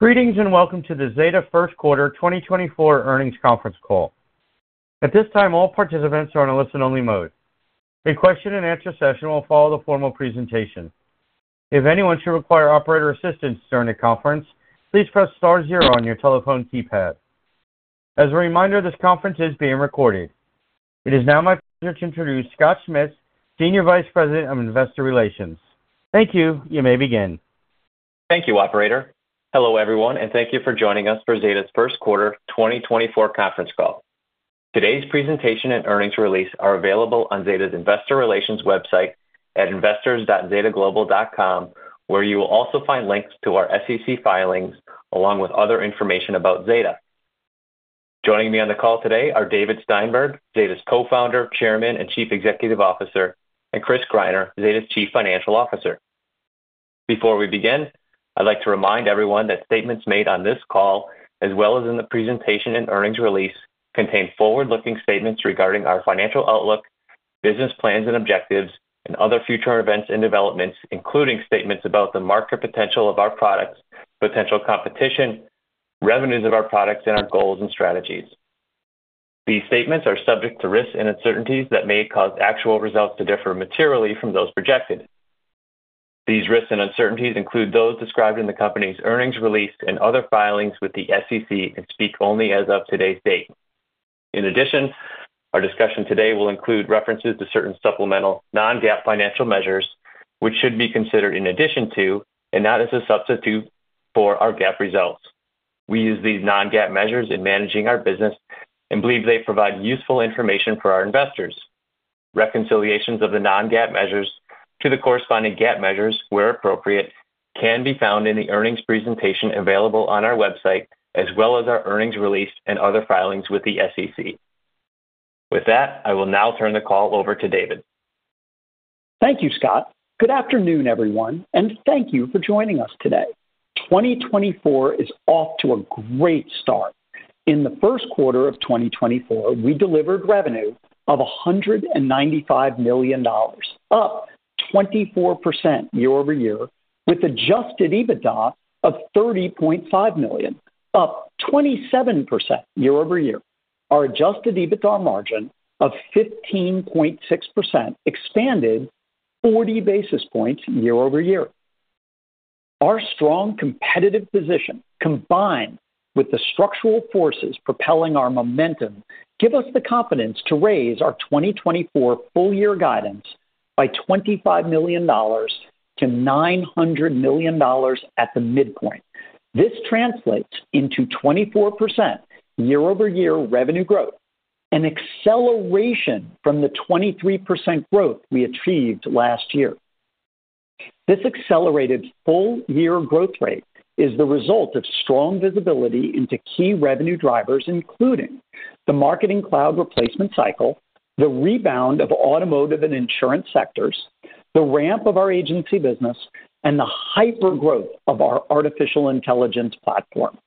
Greetings and welcome to the Zeta First Quarter 2024 earnings conference call. At this time, all participants are on a listen-only mode. A question-and-answer session will follow the formal presentation. If anyone should require operator assistance during the conference, please press star zero on your telephone keypad. As a reminder, this conference is being recorded. It is now my pleasure to introduce Scott Schmitz, Senior Vice President of Investor Relations. Thank you. You may begin. Thank you, operator. Hello everyone, and thank you for joining us for Zeta's First Quarter 2024 conference call. Today's presentation and earnings release are available on Zeta's Investor Relations website at investors.zetaglobal.com, where you will also find links to our SEC filings along with other information about Zeta. Joining me on the call today are David Steinberg, Zeta's Co-Founder, Chairman, and Chief Executive Officer, and Chris Greiner, Zeta's Chief Financial Officer. Before we begin, I'd like to remind everyone that statements made on this call, as well as in the presentation and earnings release, contain forward-looking statements regarding our financial outlook, business plans and objectives, and other future events and developments, including statements about the market potential of our products, potential competition, revenues of our products, and our goals and strategies. These statements are subject to risks and uncertainties that may cause actual results to differ materially from those projected. These risks and uncertainties include those described in the company's earnings release and other filings with the SEC and speak only as of today's date. In addition, our discussion today will include references to certain supplemental non-GAAP financial measures, which should be considered in addition to and not as a substitute for our GAAP results. We use these non-GAAP measures in managing our business and believe they provide useful information for our investors. Reconciliations of the non-GAAP measures to the corresponding GAAP measures, where appropriate, can be found in the earnings presentation available on our website, as well as our earnings release and other filings with the SEC. With that, I will now turn the call over to David. Thank you, Scott. Good afternoon, everyone, and thank you for joining us today. 2024 is off to a great start. In the first quarter of 2024, we delivered revenue of $195 million, up 24% year-over-year, with adjusted EBITDA of $30.5 million, up 27% year-over-year. Our adjusted EBITDA margin of 15.6% expanded 40 basis points year-over-year. Our strong competitive position, combined with the structural forces propelling our momentum, give us the confidence to raise our 2024 full-year guidance by $25 million to $900 million at the midpoint. This translates into 24% year-over-year revenue growth, an acceleration from the 23% growth we achieved last year. This accelerated full-year growth rate is the result of strong visibility into key revenue drivers, including the marketing cloud replacement cycle, the rebound of automotive and insurance sectors, the ramp of our agency business, and the hyper-growth of our artificial intelligence platform.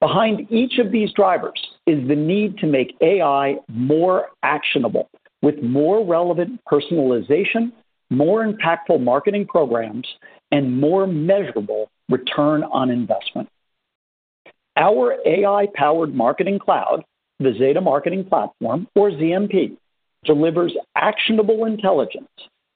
Behind each of these drivers is the need to make AI more actionable, with more relevant personalization, more impactful marketing programs, and more measurable return on investment. Our AI-powered marketing cloud, the Zeta Marketing Platform, or ZMP, delivers actionable intelligence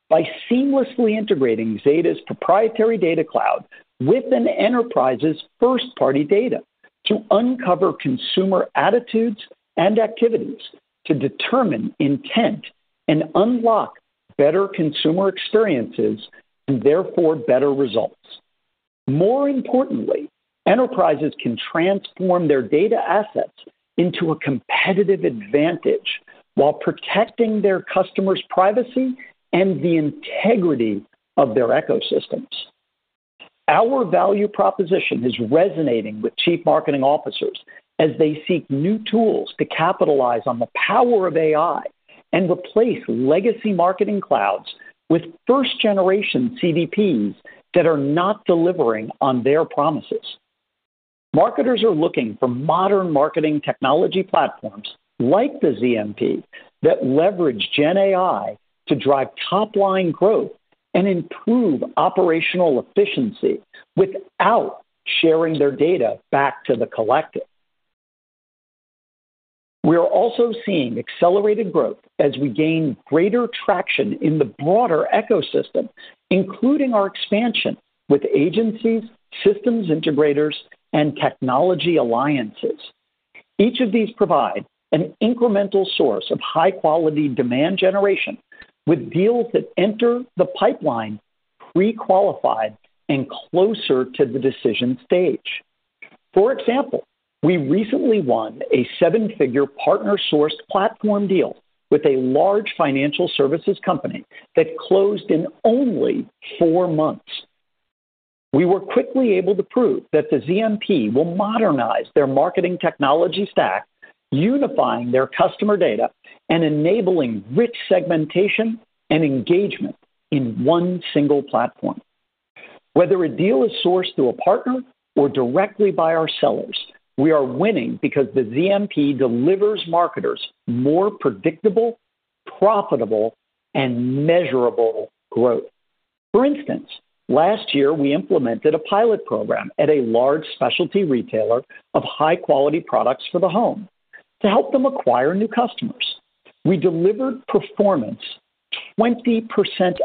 by seamlessly integrating Zeta's proprietary Data Cloud with an enterprise's first-party data to uncover consumer attitudes and activities, to determine intent, and unlock better consumer experiences and therefore better results. More importantly, enterprises can transform their data assets into a competitive advantage while protecting their customers' privacy and the integrity of their ecosystems. Our value proposition is resonating with chief marketing officers as they seek new tools to capitalize on the power of AI and replace legacy marketing clouds with first-generation CDPs that are not delivering on their promises. Marketers are looking for modern marketing technology platforms like the ZMP that leverage GenAI to drive top-line growth and improve operational efficiency without sharing their data back to the collective. We are also seeing accelerated growth as we gain greater traction in the broader ecosystem, including our expansion with agencies, systems integrators, and technology alliances. Each of these provides an incremental source of high-quality demand generation with deals that enter the pipeline pre-qualified and closer to the decision stage. For example, we recently won a seven-figure partner-sourced platform deal with a large financial services company that closed in only four months. We were quickly able to prove that the ZMP will modernize their marketing technology stack, unifying their customer data and enabling rich segmentation and engagement in one single platform. Whether a deal is sourced through a partner or directly by our sellers, we are winning because the ZMP delivers marketers more predictable, profitable, and measurable growth. For instance, last year we implemented a pilot program at a large specialty retailer of high-quality products for the home to help them acquire new customers. We delivered performance 20%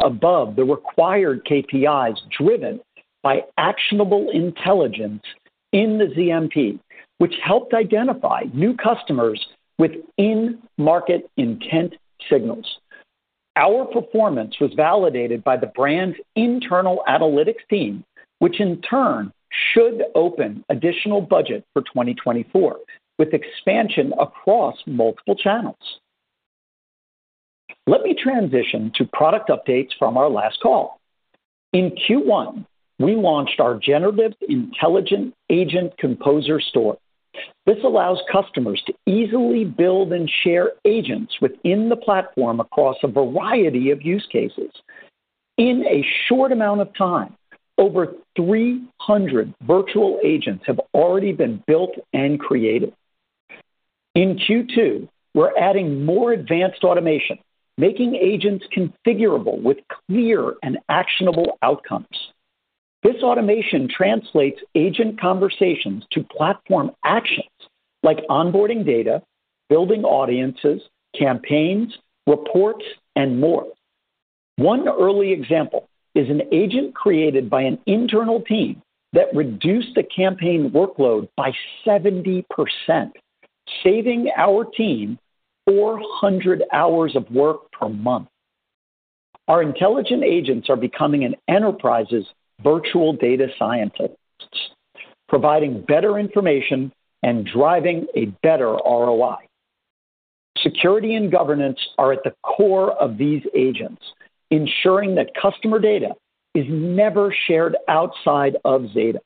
above the required KPIs driven by actionable intelligence in the ZMP, which helped identify new customers with in-market intent signals. Our performance was validated by the brand's internal analytics team, which in turn should open additional budget for 2024 with expansion across multiple channels. Let me transition to product updates from our last call. In Q1, we launched our Generative Intelligent Agent Composer Store. This allows customers to easily build and share agents within the platform across a variety of use cases. In a short amount of time, over 300 virtual agents have already been built and created. In Q2, we're adding more advanced automation, making agents configurable with clear and actionable outcomes. This automation translates agent conversations to platform actions like onboarding data, building audiences, campaigns, reports, and more. One early example is an agent created by an internal team that reduced the campaign workload by 70%, saving our team 400 hours of work per month. Our intelligent agents are becoming an enterprise's virtual data scientists, providing better information and driving a better ROI. Security and governance are at the core of these agents, ensuring that customer data is never shared outside of Zeta.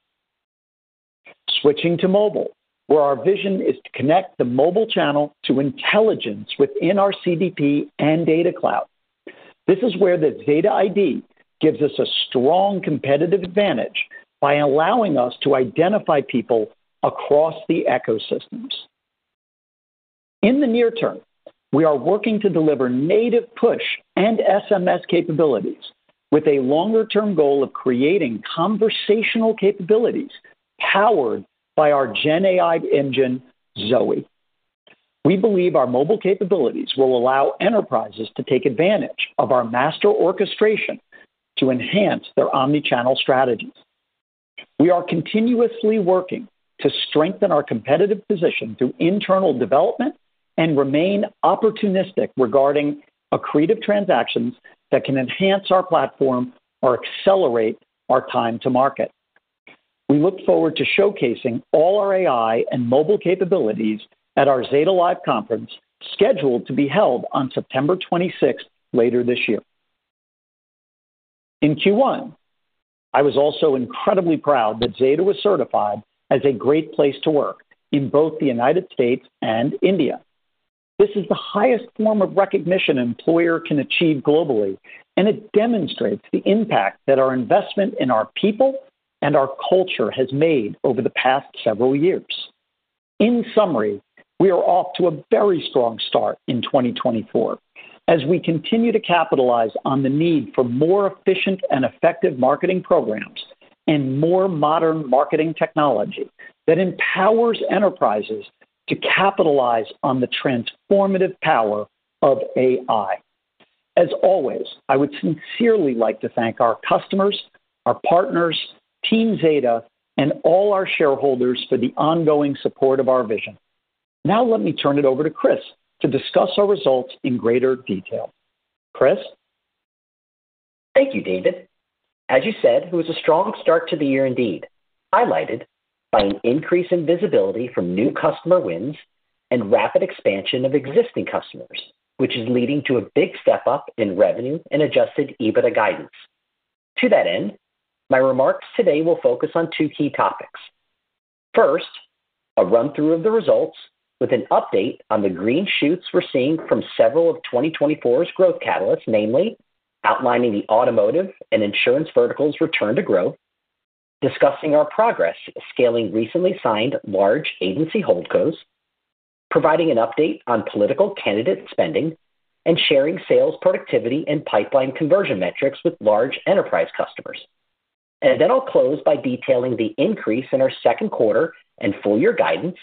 Switching to mobile, where our vision is to connect the mobile channel to intelligence within our CDP and data cloud. This is where the Zeta ID gives us a strong competitive advantage by allowing us to identify people across the ecosystems. In the near term, we are working to deliver native push and SMS capabilities with a longer-term goal of creating conversational capabilities powered by our GenAI engine, Zoe. We believe our mobile capabilities will allow enterprises to take advantage of our master orchestration to enhance their omnichannel strategies. We are continuously working to strengthen our competitive position through internal development and remain opportunistic regarding accretive transactions that can enhance our platform or accelerate our time to market. We look forward to showcasing all our AI and mobile capabilities at our Zeta Live conference scheduled to be held on September 26th later this year. In Q1, I was also incredibly proud that Zeta was certified as a Great Place to Work in both the United States and India. This is the highest form of recognition an employer can achieve globally, and it demonstrates the impact that our investment in our people and our culture has made over the past several years. In summary, we are off to a very strong start in 2024 as we continue to capitalize on the need for more efficient and effective marketing programs and more modern marketing technology that empowers enterprises to capitalize on the transformative power of AI. As always, I would sincerely like to thank our customers, our partners, Team Zeta, and all our shareholders for the ongoing support of our vision. Now let me turn it over to Chris to discuss our results in greater detail. Chris? Thank you, David. As you said, it was a strong start to the year indeed, highlighted by an increase in visibility from new customer wins and rapid expansion of existing customers, which is leading to a big step up in revenue and adjusted EBITDA guidance. To that end, my remarks today will focus on two key topics. First, a run-through of the results with an update on the green shoots we're seeing from several of 2024's growth catalysts, namely outlining the automotive and insurance vertical's return to growth, discussing our progress scaling recently signed large agency HoldCos, providing an update on political candidate spending, and sharing sales productivity and pipeline conversion metrics with large enterprise customers. And then I'll close by detailing the increase in our second quarter and full-year guidance,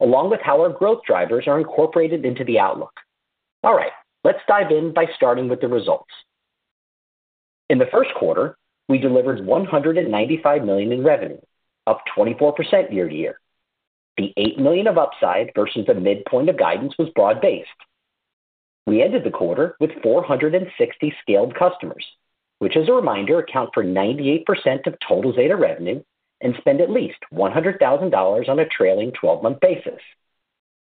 along with how our growth drivers are incorporated into the outlook. All right, let's dive in by starting with the results. In the first quarter, we delivered $195 million in revenue, up 24% year-over-year. The $8 million of upside versus the midpoint of guidance was broad-based. We ended the quarter with 460 scaled customers, which, as a reminder, account for 98% of total Zeta revenue, and spend at least $100,000 on a trailing 12-month basis.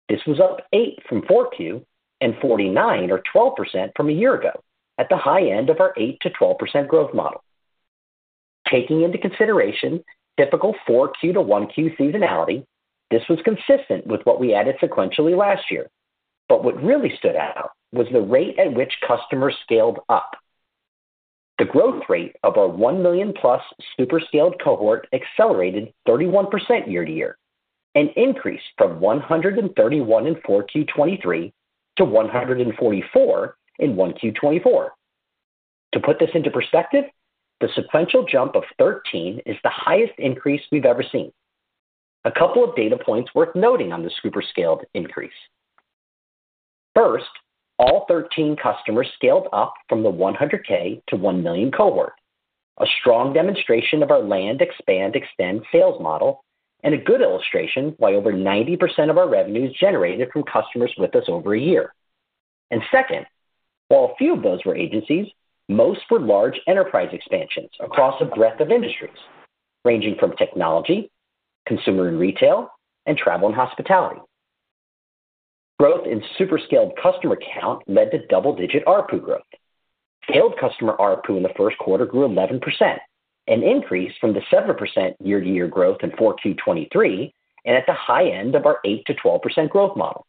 This was up 8% from 4Q and 49%, or 12%, from a year ago at the high end of our 8%-12% growth model. Taking into consideration typical 4Q to 1Q seasonality, this was consistent with what we added sequentially last year. But what really stood out was the rate at which customers scaled up. The growth rate of our 1 million-plus Super-Scaled cohort accelerated 31% year-over-year, an increase from 131% in 4Q 2023 to 144% in 1Q 2024. To put this into perspective, the sequential jump of 13% is the highest increase we've ever seen. A couple of data points worth noting on the Super-Scaled increase. First, all 13 customers scaled up from the 100K to 1 million cohort, a strong demonstration of our land-expand-extend sales model and a good illustration why over 90% of our revenue is generated from customers with us over a year. And second, while a few of those were agencies, most were large enterprise expansions across a breadth of industries, ranging from technology, consumer and retail, and travel and hospitality. Growth in Super-Scaled customer count led to double-digit ARPU growth. Scaled customer ARPU in the first quarter grew 11%, an increase from the 7% year-to-year growth in 4Q 2023 and at the high end of our 8%-12% growth model.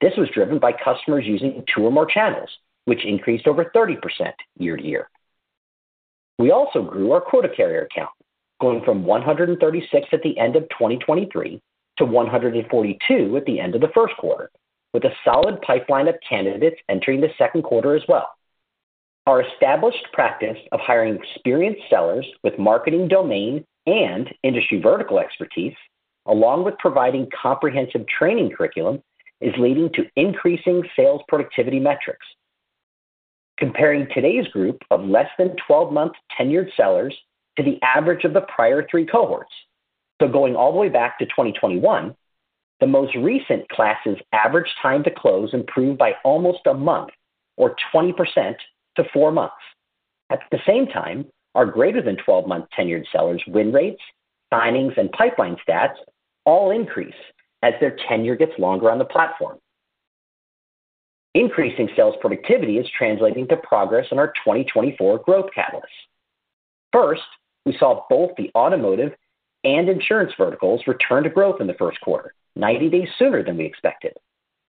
This was driven by customers using two or more channels, which increased over 30% year-over-year. We also grew our quota carrier count, going from 136% at the end of 2023 to 142% at the end of the first quarter, with a solid pipeline of candidates entering the second quarter as well. Our established practice of hiring experienced sellers with marketing domain and industry vertical expertise, along with providing comprehensive training curriculum, is leading to increasing sales productivity metrics. Comparing today's group of less than 12-month tenured sellers to the average of the prior three cohorts, so going all the way back to 2021, the most recent class's average time to close improved by almost a month, or 20%, to 4 months. At the same time, our greater-than-12-month tenured sellers' win rates, signings, and pipeline stats all increase as their tenure gets longer on the platform. Increasing sales productivity is translating to progress in our 2024 growth catalysts. First, we saw both the automotive and insurance verticals return to growth in the first quarter, 90 days sooner than we expected.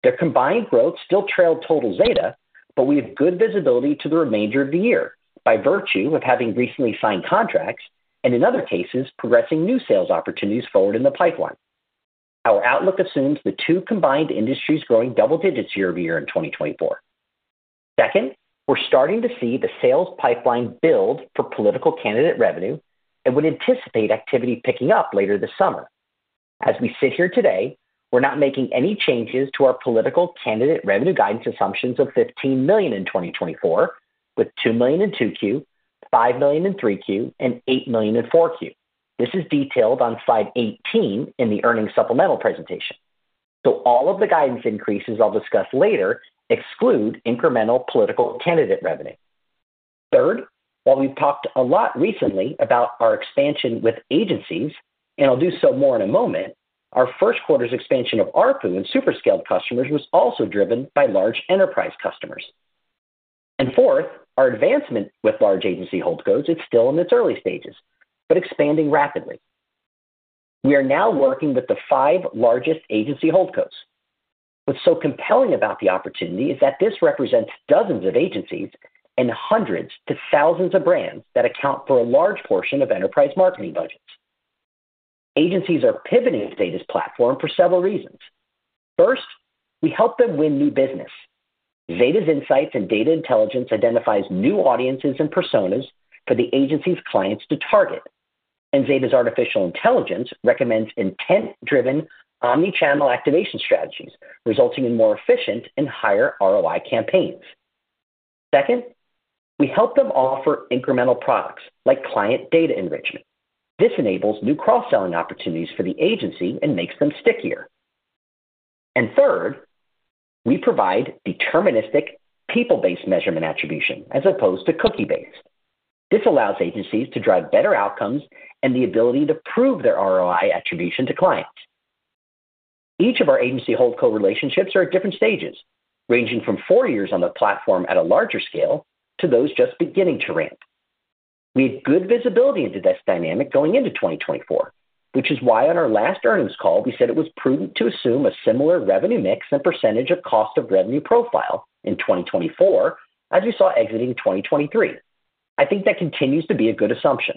Their combined growth still trailed total Zeta, but we have good visibility to the remainder of the year by virtue of having recently signed contracts and, in other cases, progressing new sales opportunities forward in the pipeline. Our outlook assumes the two combined industries growing double-digits year-over-year in 2024. Second, we're starting to see the sales pipeline build for political candidate revenue and would anticipate activity picking up later this summer. As we sit here today, we're not making any changes to our political candidate revenue guidance assumptions of $15 million in 2024, with $2 million in 2Q, $5 million in 3Q, and $8 million in 4Q. This is detailed on slide 18 in the earnings supplemental presentation. So all of the guidance increases I'll discuss later exclude incremental political candidate revenue. Third, while we've talked a lot recently about our expansion with agencies, and I'll do so more in a moment, our first quarter's expansion of ARPU and Super-Scaled Customers was also driven by large enterprise customers. And fourth, our advancement with large agency HoldCos is still in its early stages, but expanding rapidly. We are now working with the five largest agency HoldCos. What's so compelling about the opportunity is that this represents dozens of agencies and hundreds to thousands of brands that account for a large portion of enterprise marketing budgets. Agencies are pivoting to Zeta's platform for several reasons. First, we help them win new business. Zeta's insights and data intelligence identify new audiences and personas for the agency's clients to target, and Zeta's artificial intelligence recommends intent-driven omnichannel activation strategies, resulting in more efficient and higher ROI campaigns. Second, we help them offer incremental products like client data enrichment. This enables new cross-selling opportunities for the agency and makes them stickier. Third, we provide deterministic people-based measurement attribution as opposed to cookie-based. This allows agencies to drive better outcomes and the ability to prove their ROI attribution to clients. Each of our agency HoldCo relationships are at different stages, ranging from four years on the platform at a larger scale to those just beginning to ramp. We had good visibility into this dynamic going into 2024, which is why on our last earnings call we said it was prudent to assume a similar revenue mix and percentage of cost of revenue profile in 2024 as we saw exiting 2023. I think that continues to be a good assumption.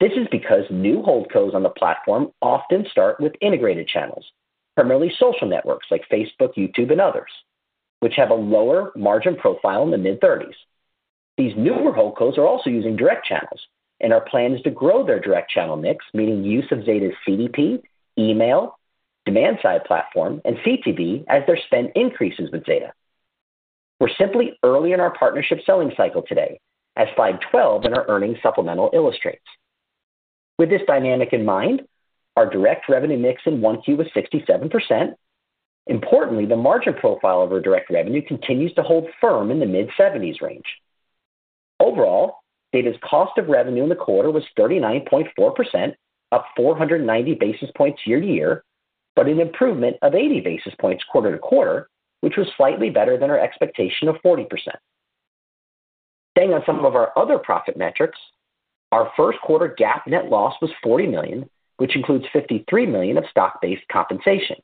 This is because new HoldCos on the platform often start with integrated channels, primarily social networks like Facebook, YouTube, and others, which have a lower margin profile in the mid-30s. These newer HoldCos are also using direct channels, and our plan is to grow their direct channel mix, meaning use of Zeta's CDP, email, demand-side platform, and CTV as their spend increases with Zeta. We're simply early in our partnership selling cycle today, as slide 12 in our earnings supplemental illustrates. With this dynamic in mind, our direct revenue mix in 1Q was 67%. Importantly, the margin profile of our direct revenue continues to hold firm in the mid-70s range. Overall, Zeta's cost of revenue in the quarter was 39.4%, up 490 basis points year-over-year, but an improvement of 80 basis points quarter-over-quarter, which was slightly better than our expectation of 40%. Staying on some of our other profit metrics, our first quarter GAAP net loss was $40 million, which includes $53 million of stock-based compensation.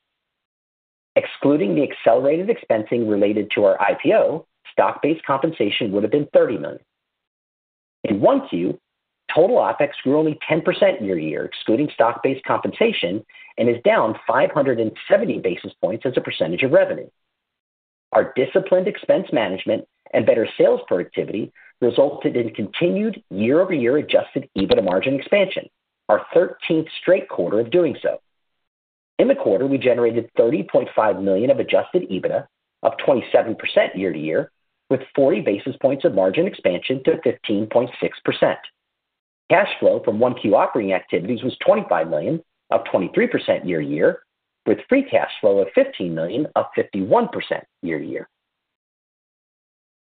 Excluding the accelerated expensing related to our IPO, stock-based compensation would have been $30 million. In 1Q, total OpEx grew only 10% year-over-year, excluding stock-based compensation, and is down 570 basis points as a percentage of revenue. Our disciplined expense management and better sales productivity resulted in continued year-over-year adjusted EBITDA margin expansion, our 13th straight quarter of doing so. In the quarter, we generated $30.5 million of adjusted EBITDA, up 27% year-over-year, with 40 basis points of margin expansion to 15.6%. Cash flow from 1Q operating activities was $25 million, up 23% year-over-year, with free cash flow of $15 million, up 51% year-over-year.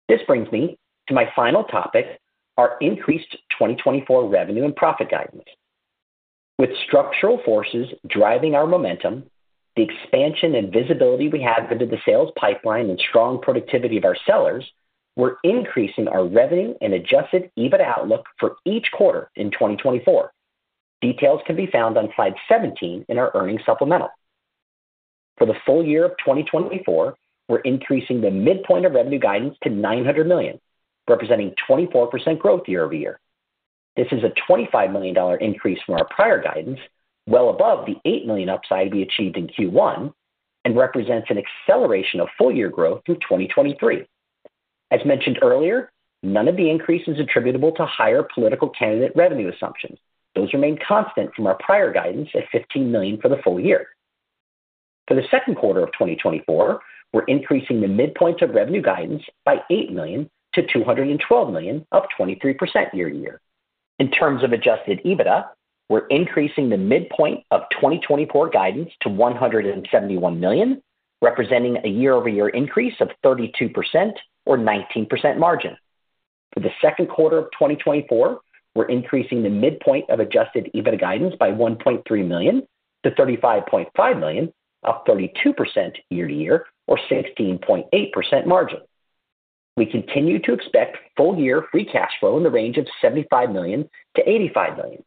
This brings me to my final topic, our increased 2024 revenue and profit guidance. With structural forces driving our momentum, the expansion and visibility we have into the sales pipeline and strong productivity of our sellers, we're increasing our revenue and adjusted EBITDA outlook for each quarter in 2024. Details can be found on slide 17 in our earnings supplemental. For the full year of 2024, we're increasing the midpoint of revenue guidance to $900 million, representing 24% growth year-over-year. This is a $25 million increase from our prior guidance, well above the $8 million upside to be achieved in Q1, and represents an acceleration of full-year growth through 2023. As mentioned earlier, none of the increases attributable to higher political candidate revenue assumptions. Those remain constant from our prior guidance at $15 million for the full year. For the second quarter of 2024, we're increasing the midpoint of revenue guidance by $8 million to $212 million, up 23% year-over-year. In terms of adjusted EBITDA, we're increasing the midpoint of 2024 guidance to $171 million, representing a year-over-year increase of 32%, or 19% margin. For the second quarter of 2024, we're increasing the midpoint of adjusted EBITDA guidance by $1.3 million to $35.5 million, up 32% year-over-year, or 16.8% margin. We continue to expect full-year free cash flow in the range of $75 million-$85 million.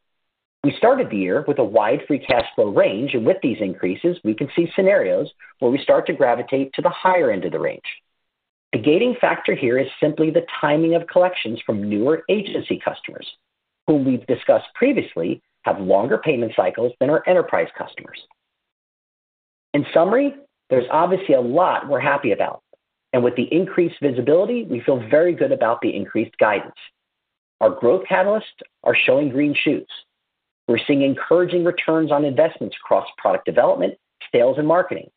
We started the year with a wide free cash flow range, and with these increases, we can see scenarios where we start to gravitate to the higher end of the range. The gating factor here is simply the timing of collections from newer agency customers, whom we've discussed previously, have longer payment cycles than our enterprise customers. In summary, there's obviously a lot we're happy about. And with the increased visibility, we feel very good about the increased guidance. Our growth catalysts are showing green shoots. We're seeing encouraging returns on investments across product development, sales, and marketing.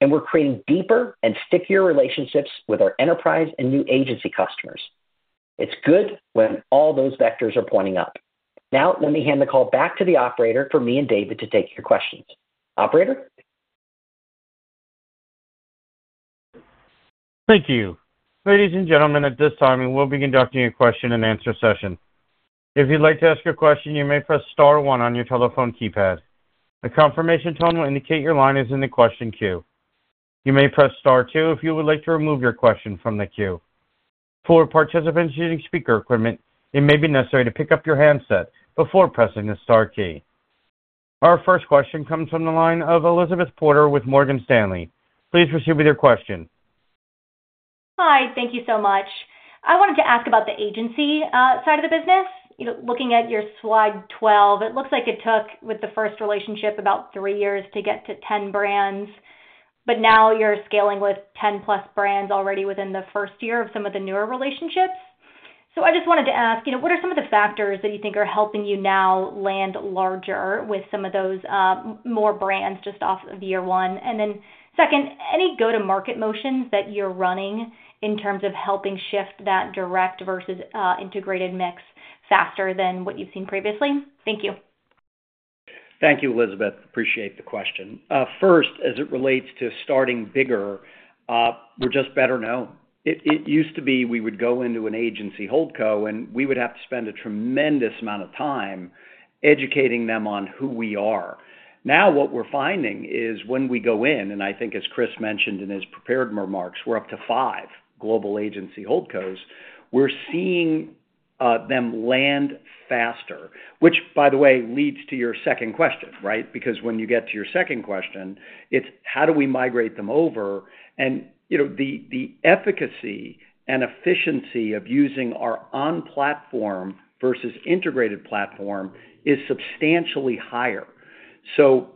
And we're creating deeper and stickier relationships with our enterprise and new agency customers. It's good when all those vectors are pointing up. Now, let me hand the call back to the operator for me and David to take your questions. Operator? Thank you. Ladies and gentlemen, at this time, we will be conducting a question-and-answer session. If you'd like to ask a question, you may press star one on your telephone keypad. The confirmation tone will indicate your line is in the question queue. You may press star two if you would like to remove your question from the queue. For participants using speaker equipment, it may be necessary to pick up your handset before pressing the star key. Our first question comes from the line of Elizabeth Porter with Morgan Stanley. Please proceed with your question. Hi. Thank you so much. I wanted to ask about the agency side of the business. Looking at your slide 12, it looks like it took, with the first relationship, about three years to get to 10 brands. But now you're scaling with 10+ brands already within the first year of some of the newer relationships. So I just wanted to ask, what are some of the factors that you think are helping you now land larger with some of those more brands just off of year one? And then second, any go-to-market motions that you're running in terms of helping shift that direct versus integrated mix faster than what you've seen previously? Thank you. Thank you, Elizabeth. Appreciate the question. First, as it relates to starting bigger, we're just better known. It used to be we would go into an agency HoldCo, and we would have to spend a tremendous amount of time educating them on who we are. Now what we're finding is when we go in, and I think as Chris mentioned in his prepared remarks, we're up to five global agency HoldCos. We're seeing them land faster, which, by the way, leads to your second question, right? Because when you get to your second question, it's, how do we migrate them over? And the efficacy and efficiency of using our on-platform versus integrated platform is substantially higher. So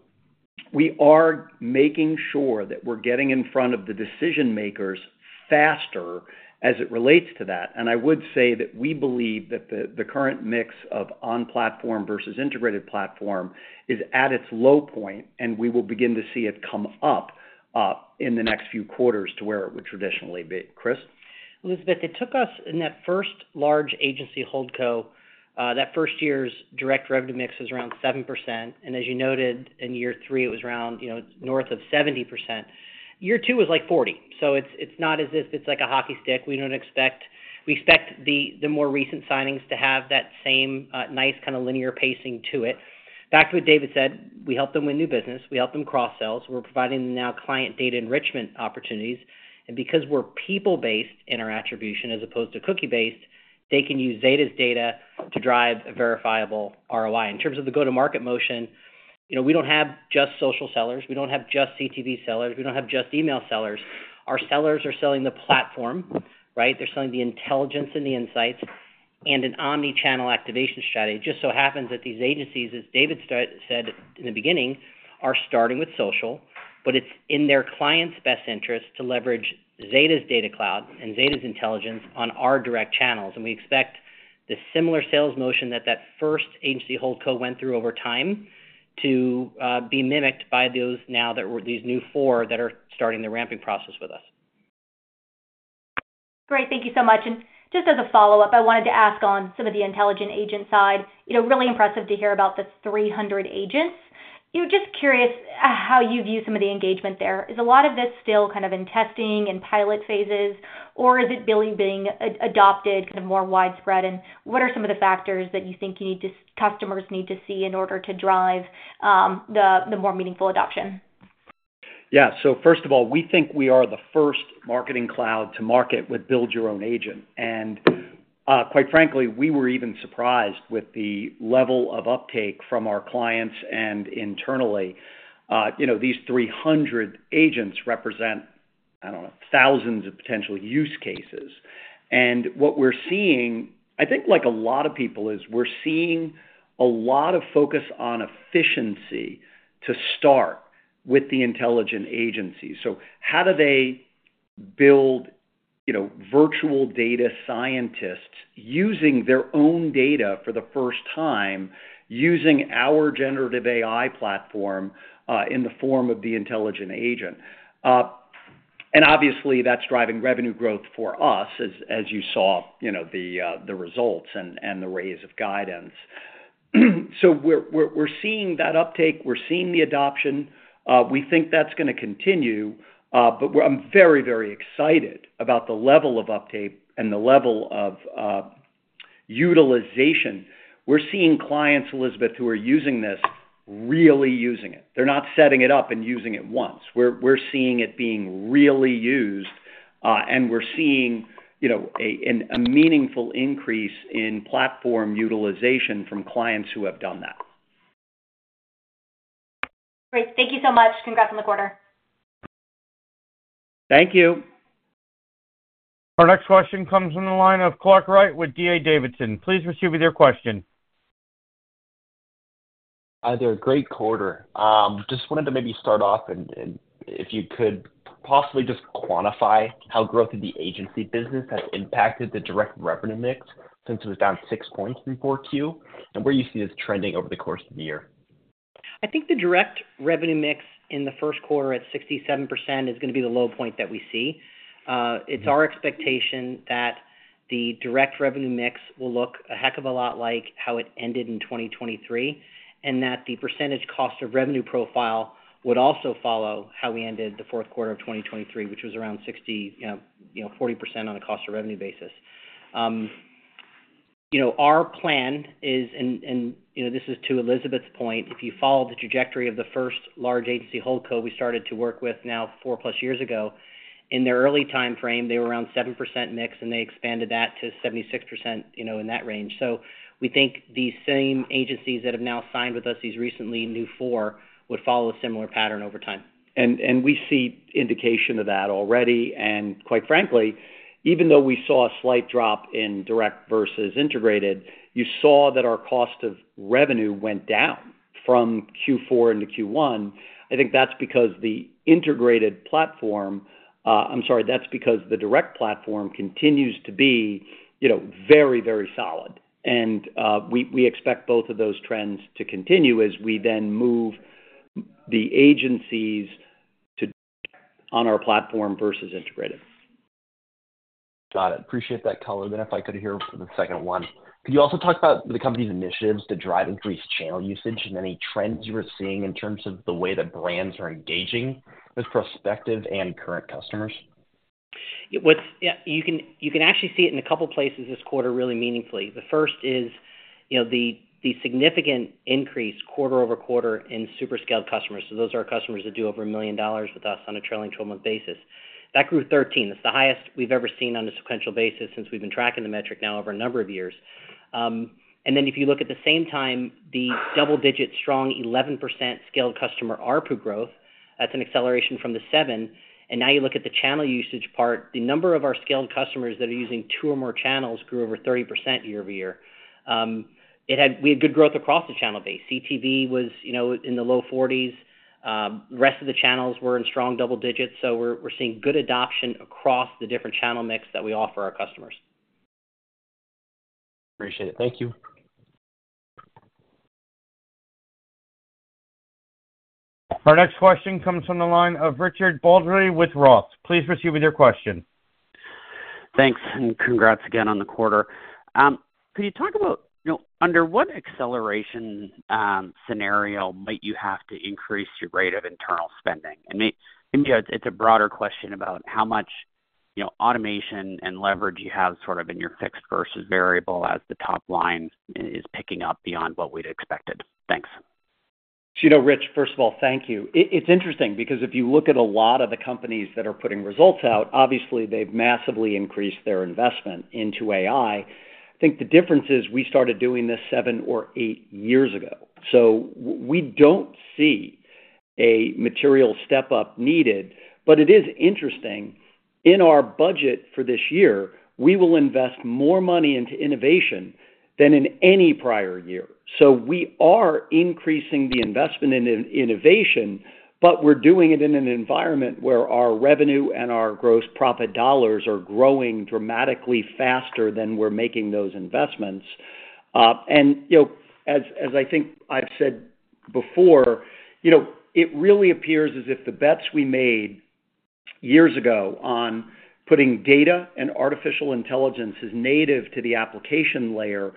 we are making sure that we're getting in front of the decision-makers faster as it relates to that. I would say that we believe that the current mix of on-platform versus integrated platform is at its low point, and we will begin to see it come up in the next few quarters to where it would traditionally be. Chris? Elizabeth, it took us in that first large agency HoldCo, that first year's direct revenue mix was around 7%. And as you noted, in year three, it was around north of 70%. Year two was like 40%. So it's not as if it's like a hockey stick. We don't expect the more recent signings to have that same nice kind of linear pacing to it. Back to what David said, we help them win new business. We help them cross-sell. We're providing them now client data enrichment opportunities. And because we're people-based in our attribution as opposed to cookie-based, they can use Zeta's data to drive a verifiable ROI. In terms of the go-to-market motion, we don't have just social sellers. We don't have just CTV sellers. We don't have just email sellers. Our sellers are selling the platform, right? They're selling the intelligence and the insights. An omnichannel activation strategy just so happens that these agencies, as David said in the beginning, are starting with social, but it's in their client's best interest to leverage Zeta's Data Cloud and Zeta's Intelligence on our direct channels. We expect the similar sales motion that that first agency HoldCo went through over time to be mimicked by those now that these new four that are starting the ramping process with us. Great. Thank you so much. And just as a follow-up, I wanted to ask on some of the intelligent agent side. Really impressive to hear about the 300 agents. Just curious how you view some of the engagement there. Is a lot of this still kind of in testing and pilot phases, or is it really being adopted kind of more widespread? And what are some of the factors that you think customers need to see in order to drive the more meaningful adoption? Yeah. So first of all, we think we are the first marketing cloud to market with build-your-own-agent. And quite frankly, we were even surprised with the level of uptake from our clients and internally. These 300 agents represent, I don't know, thousands of potential use cases. And what we're seeing, I think like a lot of people, is we're seeing a lot of focus on efficiency to start with the intelligent agents. So how do they build virtual data scientists using their own data for the first time, using our Generative AI platform in the form of the intelligent agent? And obviously, that's driving revenue growth for us, as you saw the results and the raised guidance. So we're seeing that uptake. We're seeing the adoption. We think that's going to continue. But I'm very, very excited about the level of uptake and the level of utilization. We're seeing clients, Elizabeth, who are using this really using it. They're not setting it up and using it once. We're seeing it being really used, and we're seeing a meaningful increase in platform utilization from clients who have done that. Great. Thank you so much. Congrats on the quarter. Thank you. Our next question comes from the line of Clark Wright with D.A. Davidson. Please proceed with your question. Hi there. Great quarter. Just wanted to maybe start off, and if you could possibly just quantify how growth in the agency business has impacted the direct revenue mix since it was down 6 points in 4Q, and where you see this trending over the course of the year? I think the direct revenue mix in the first quarter at 67% is going to be the low point that we see. It's our expectation that the direct revenue mix will look a heck of a lot like how it ended in 2023, and that the percentage cost of revenue profile would also follow how we ended the fourth quarter of 2023, which was around 40% on a cost of revenue basis. Our plan is, and this is to Elizabeth's point, if you follow the trajectory of the first large agency HoldCo we started to work with now 4+ years ago, in their early time frame, they were around 7% mix, and they expanded that to 76% in that range. So we think these same agencies that have now signed with us, these recently new four, would follow a similar pattern over time. We see indication of that already. Quite frankly, even though we saw a slight drop in direct versus integrated, you saw that our cost of revenue went down from Q4 into Q1. I think that's because the integrated platform. I'm sorry, that's because the direct platform continues to be very, very solid. We expect both of those trends to continue as we then move the agencies to direct on our platform versus integrated. Got it. Appreciate that color. Then if I could hear for the second one, could you also talk about the company's initiatives to drive increased channel usage and any trends you were seeing in terms of the way that brands are engaging with prospective and current customers? You can actually see it in a couple of places this quarter really meaningfully. The first is the significant increase quarter-over-quarter in Super-Scaled customers. So those are our customers that do over $1 million with us on a trailing 12-month basis. That grew 13. That's the highest we've ever seen on a sequential basis since we've been tracking the metric now over a number of years. And then if you look at the same time, the double-digit strong 11% scaled customer ARPU growth, that's an acceleration from the 7. And now you look at the channel usage part, the number of our scaled customers that are using two or more channels grew over 30% year-over-year. We had good growth across the channel base. CTV was in the low 40s. The rest of the channels were in strong double digits. So we're seeing good adoption across the different channel mix that we offer our customers. Appreciate it. Thank you. Our next question comes from the line of Richard Baldry with Roth. Please proceed with your question. Thanks. And congrats again on the quarter. Could you talk about under what acceleration scenario might you have to increase your rate of internal spending? And maybe it's a broader question about how much automation and leverage you have sort of in your fixed versus variable as the top line is picking up beyond what we'd expected? Thanks. Rich, first of all, thank you. It's interesting because if you look at a lot of the companies that are putting results out, obviously, they've massively increased their investment into AI. I think the difference is we started doing this seven or eight years ago. So we don't see a material step up needed. But it is interesting. In our budget for this year, we will invest more money into innovation than in any prior year. So we are increasing the investment in innovation, but we're doing it in an environment where our revenue and our gross profit dollars are growing dramatically faster than we're making those investments. And as I think I've said before, it really appears as if the bets we made years ago on putting data and artificial intelligence as native to the application layer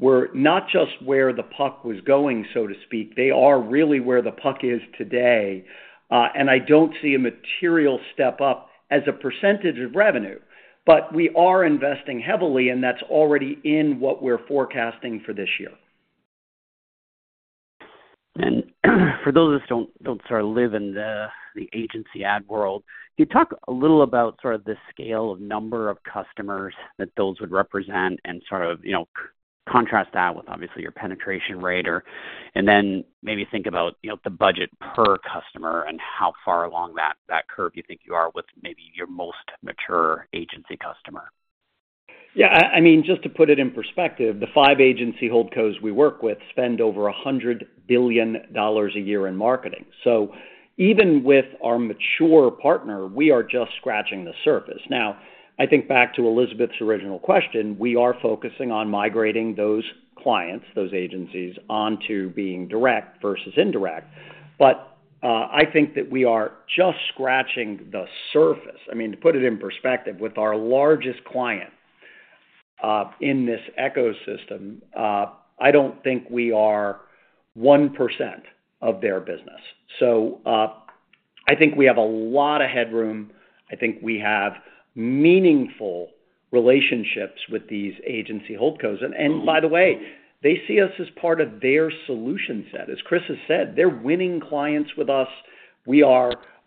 were not just where the puck was going, so to speak. They are really where the puck is today. And I don't see a material step up as a percentage of revenue. But we are investing heavily, and that's already in what we're forecasting for this year. For those of us who don't sort of live in the agency ad world, could you talk a little about sort of the scale of number of customers that those would represent and sort of contrast that with, obviously, your penetration rate? Then maybe think about the budget per customer and how far along that curve you think you are with maybe your most mature agency customer. Yeah. I mean, just to put it in perspective, the five agency HoldCos we work with spend over $100 billion a year in marketing. So even with our mature partner, we are just scratching the surface. Now, I think back to Elizabeth's original question, we are focusing on migrating those clients, those agencies, onto being direct versus indirect. But I think that we are just scratching the surface. I mean, to put it in perspective, with our largest client in this ecosystem, I don't think we are 1% of their business. So I think we have a lot of headroom. I think we have meaningful relationships with these agency HoldCos. And by the way, they see us as part of their solution set. As Chris has said, they're winning clients with us.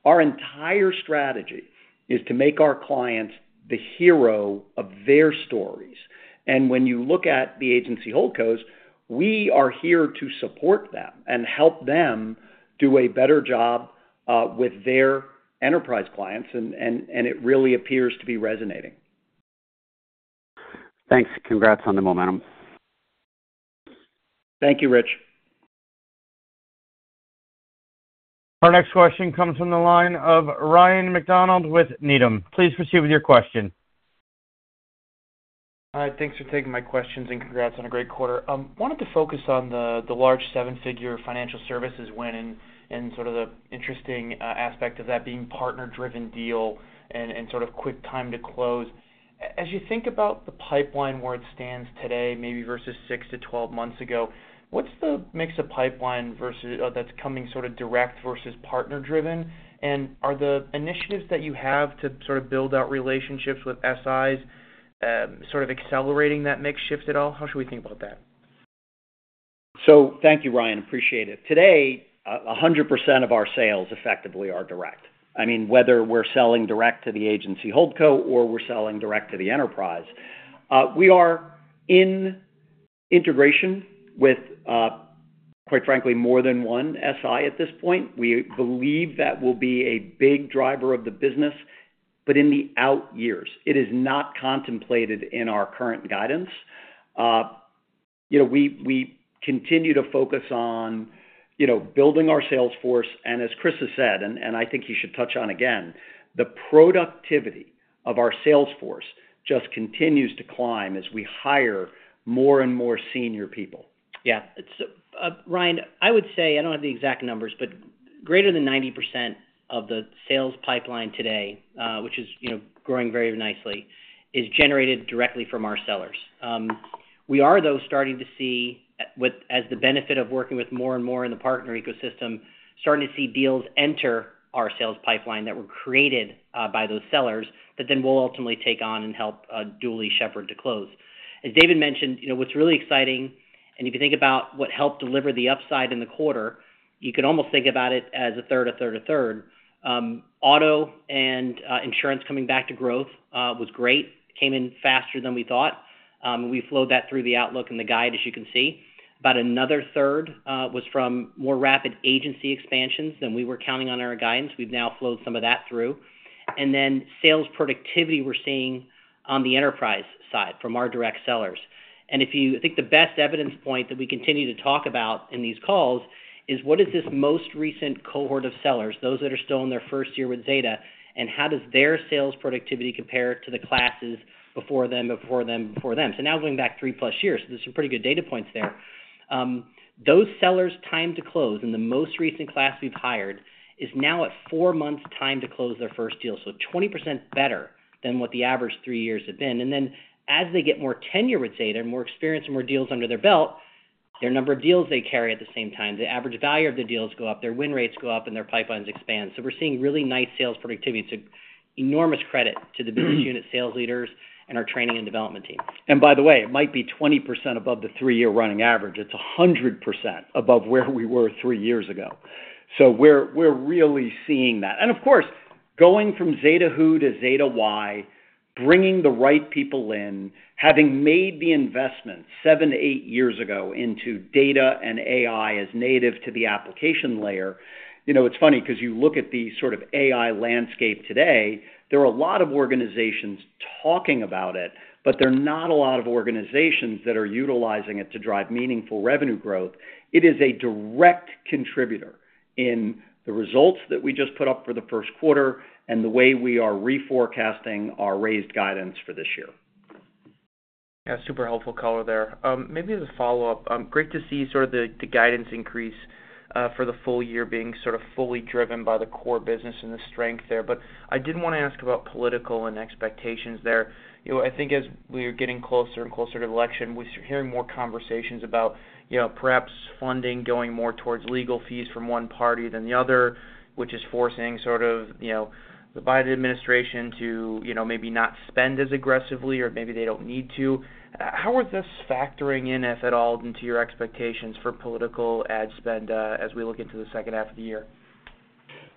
Our entire strategy is to make our clients the hero of their stories. When you look at the agency HoldCos, we are here to support them and help them do a better job with their enterprise clients. It really appears to be resonating. Thanks. Congrats on the momentum. Thank you, Rich. Our next question comes from the line of Ryan MacDonald with Needham. Please proceed with your question. Hi. Thanks for taking my questions, and congrats on a great quarter. Wanted to focus on the large seven-figure financial services win and sort of the interesting aspect of that being partner-driven deal and sort of quick time to close. As you think about the pipeline where it stands today, maybe versus 6-12 months ago, what's the mix of pipeline that's coming sort of direct versus partner-driven? And are the initiatives that you have to sort of build out relationships with SIs sort of accelerating that mix shift at all? How should we think about that? So thank you, Ryan. Appreciate it. Today, 100% of our sales effectively are direct. I mean, whether we're selling direct to the agency HoldCo. or we're selling direct to the enterprise, we are in integration with, quite frankly, more than one SI at this point. We believe that will be a big driver of the business, but in the out years. It is not contemplated in our current guidance. We continue to focus on building our sales force. And as Chris has said, and I think he should touch on again, the productivity of our sales force just continues to climb as we hire more and more senior people. Yeah. Ryan, I would say I don't have the exact numbers, but greater than 90% of the sales pipeline today, which is growing very nicely, is generated directly from our sellers. We are, though, starting to see, as the benefit of working with more and more in the partner ecosystem, starting to see deals enter our sales pipeline that were created by those sellers that then will ultimately take on and help duly shepherd to close. As David mentioned, what's really exciting, and if you think about what helped deliver the upside in the quarter, you could almost think about it as a third, a third, a third. Auto and insurance coming back to growth was great. Came in faster than we thought. We flowed that through the outlook and the guide, as you can see. About another third was from more rapid agency expansions than we were counting on our guidance. We've now flowed some of that through. And then sales productivity we're seeing on the enterprise side from our direct sellers. And I think the best evidence point that we continue to talk about in these calls is what is this most recent cohort of sellers, those that are still in their first year with Zeta, and how does their sales productivity compare to the classes before them, before them, before them? So now going back 3+ years, so there's some pretty good data points there. Those sellers' time to close in the most recent class we've hired is now at four months' time to close their first deal. So 20% better than what the average three years have been. Then as they get more tenure with Zeta and more experience and more deals under their belt, their number of deals they carry at the same time, the average value of the deals go up, their win rates go up, and their pipelines expand. We're seeing really nice sales productivity. It's an enormous credit to the business unit sales leaders and our training and development team. And by the way, it might be 20% above the three-year running average. It's 100% above where we were three years ago. So we're really seeing that. And of course, going from Zeta Who to Zeta Why, bringing the right people in, having made the investment seven, eight years ago into data and AI as native to the application layer, it's funny because you look at the sort of AI landscape today, there are a lot of organizations talking about it, but there are not a lot of organizations that are utilizing it to drive meaningful revenue growth. It is a direct contributor in the results that we just put up for the first quarter and the way we are reforecasting our raised guidance for this year. Yeah. Super helpful color there. Maybe as a follow-up, great to see sort of the guidance increase for the full year being sort of fully driven by the core business and the strength there. But I did want to ask about political ad expectations there. I think as we are getting closer and closer to election, we're hearing more conversations about perhaps funding going more towards legal fees from one party than the other, which is forcing sort of the Biden administration to maybe not spend as aggressively or maybe they don't need to. How is this factoring in, if at all, into your expectations for political ad spend as we look into the second half of the year?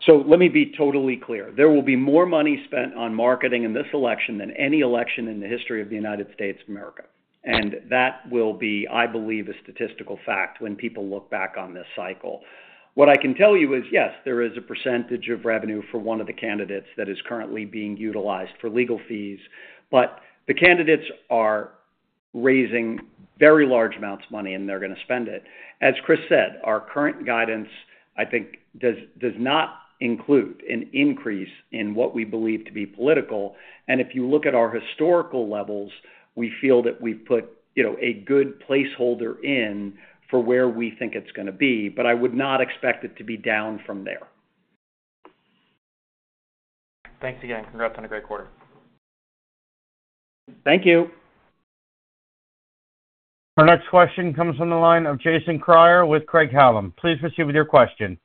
So let me be totally clear. There will be more money spent on marketing in this election than any election in the history of the United States of America. And that will be, I believe, a statistical fact when people look back on this cycle. What I can tell you is, yes, there is a percentage of revenue for one of the candidates that is currently being utilized for legal fees. But the candidates are raising very large amounts of money, and they're going to spend it. As Chris said, our current guidance, I think, does not include an increase in what we believe to be political. And if you look at our historical levels, we feel that we've put a good placeholder in for where we think it's going to be. But I would not expect it to be down from there. Thanks again. Congrats on a great quarter. Thank you. Our next question comes from the line of Jason Kreyer with Craig-Hallum. Please proceed with your question.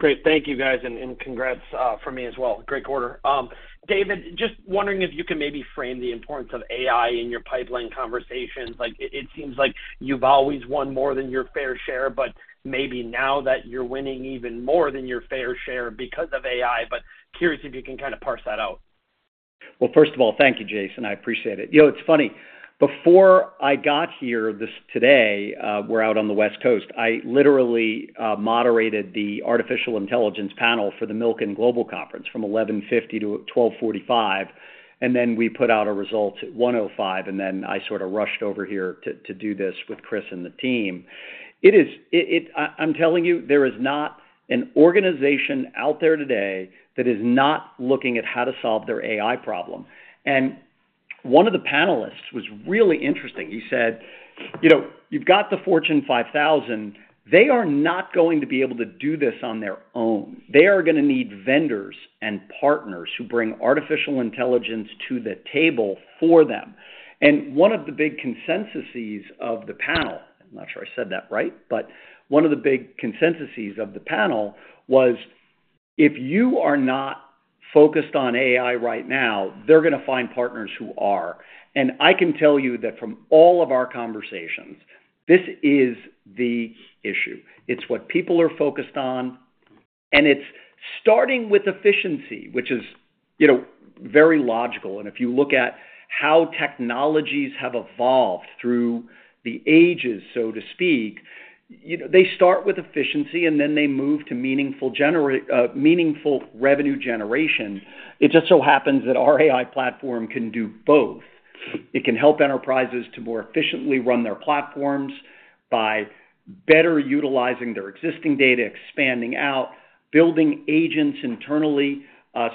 Great. Thank you, guys, and congrats from me as well. Great quarter. David, just wondering if you can maybe frame the importance of AI in your pipeline conversations? It seems like you've always won more than your fair share, but maybe now that you're winning even more than your fair share because of AI. But curious if you can kind of parse that out? Well, first of all, thank you, Jason. I appreciate it. It's funny. Before I got here today, we're out on the West Coast. I literally moderated the artificial intelligence panel for the Milken Global Conference from 11:50 to 12:45. And then we put out our results at 1:05. And then I sort of rushed over here to do this with Chris and the team. I'm telling you, there is not an organization out there today that is not looking at how to solve their AI problem. And one of the panelists was really interesting. He said, "You've got the Fortune 5000. They are not going to be able to do this on their own. They are going to need vendors and partners who bring artificial intelligence to the table for them." And one of the big consensus of the panel. I'm not sure I said that right. One of the big consensus of the panel was, "If you are not focused on AI right now, they're going to find partners who are." I can tell you that from all of our conversations, this is the issue. It's what people are focused on. It's starting with efficiency, which is very logical. If you look at how technologies have evolved through the ages, so to speak, they start with efficiency, and then they move to meaningful revenue generation. It just so happens that our AI platform can do both. It can help enterprises to more efficiently run their platforms by better utilizing their existing data, expanding out, building agents internally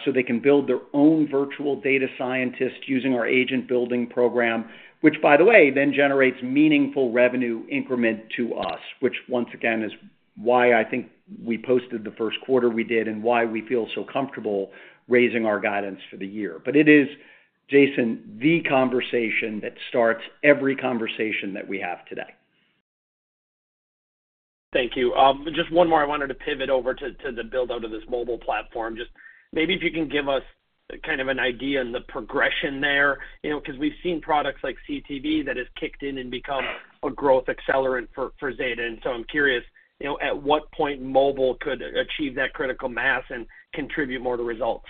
so they can build their own virtual data scientists using our agent building program, which, by the way, then generates meaningful revenue increment to us, which, once again, is why I think we posted the first quarter we did and why we feel so comfortable raising our guidance for the year. But it is, Jason, the conversation that starts every conversation that we have today. Thank you. Just one more. I wanted to pivot over to the build-out of this mobile platform. Just maybe if you can give us kind of an idea and the progression there because we've seen products like CTV that has kicked in and become a growth accelerant for Zeta. And so I'm curious, at what point mobile could achieve that critical mass and contribute more to results?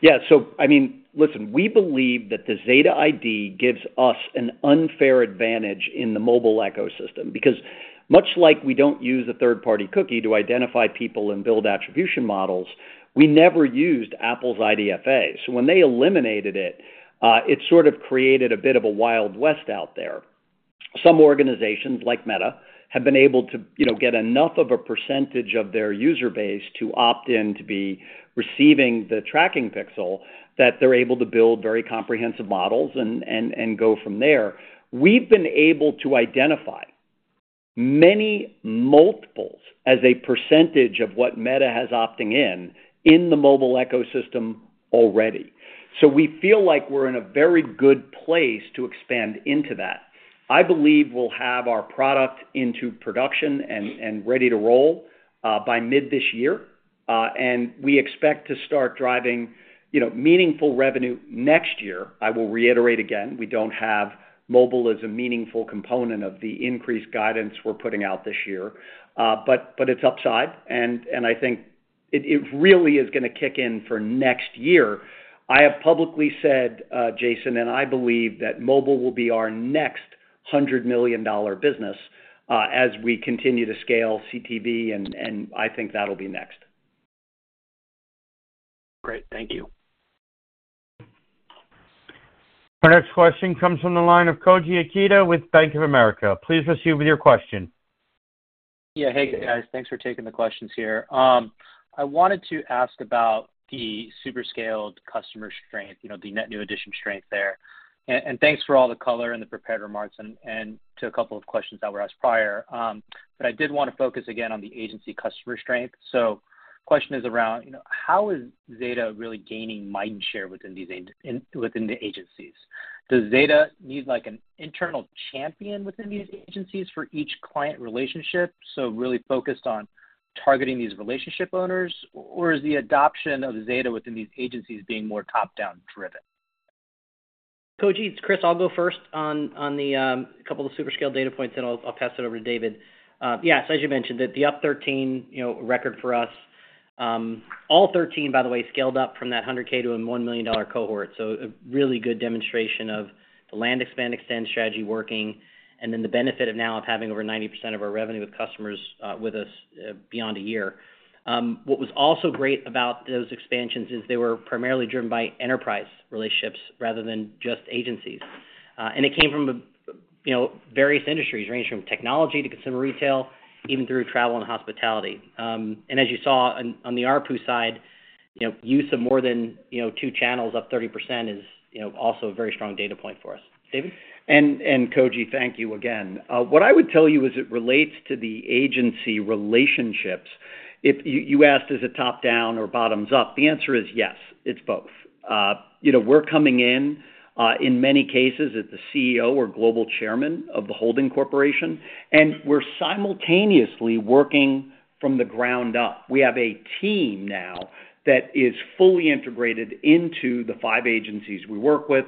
Yeah. So I mean, listen, we believe that the Zeta ID gives us an unfair advantage in the mobile ecosystem because much like we don't use a third-party cookie to identify people and build attribution models, we never used Apple's IDFA. So when they eliminated it, it sort of created a bit of a wild west out there. Some organizations like Meta have been able to get enough of a percentage of their user base to opt in to be receiving the tracking pixel that they're able to build very comprehensive models and go from there. We've been able to identify many multiples as a percentage of what Meta has opting in in the mobile ecosystem already. So we feel like we're in a very good place to expand into that. I believe we'll have our product into production and ready to roll by mid this year. We expect to start driving meaningful revenue next year. I will reiterate again, we don't have mobile as a meaningful component of the increased guidance we're putting out this year. It's upside. I think it really is going to kick in for next year. I have publicly said, "Jason, and I believe that mobile will be our next $100 million business as we continue to scale CTV." I think that'll be next. Great. Thank you. Our next question comes from the line of Koji Ikeda with Bank of America. Please proceed with your question. Yeah. Hey, guys. Thanks for taking the questions here. I wanted to ask about the Super-Scaled customer strength, the net new addition strength there. And thanks for all the color and the prepared remarks and to a couple of questions that were asked prior. But I did want to focus again on the agency customer strength. So question is around, how is Zeta really gaining mindshare within the agencies? Does Zeta need an internal champion within these agencies for each client relationship, so really focused on targeting these relationship owners? Or is the adoption of Zeta within these agencies being more top-down driven? Koji, it's Chris. I'll go first on a couple of the Super-Scaled data points, and I'll pass it over to David. Yeah. So as you mentioned, the up 13 record for us, all 13, by the way, scaled up from that $100K to a $1 million cohort. So a really good demonstration of the land-expand-extend strategy working and then the benefit of now having over 90% of our revenue with customers with us beyond a year. What was also great about those expansions is they were primarily driven by enterprise relationships rather than just agencies. And it came from various industries, ranging from technology to consumer retail, even through travel and hospitality. And as you saw on the ARPU side, use of more than two channels, up 30%, is also a very strong data point for us. David? Koji, thank you again. What I would tell you is it relates to the agency relationships. You asked, is it top-down or bottoms-up? The answer is yes. It's both. We're coming in, in many cases, at the CEO or global chairman of the holding corporation. And we're simultaneously working from the ground up. We have a team now that is fully integrated into the five agencies we work with.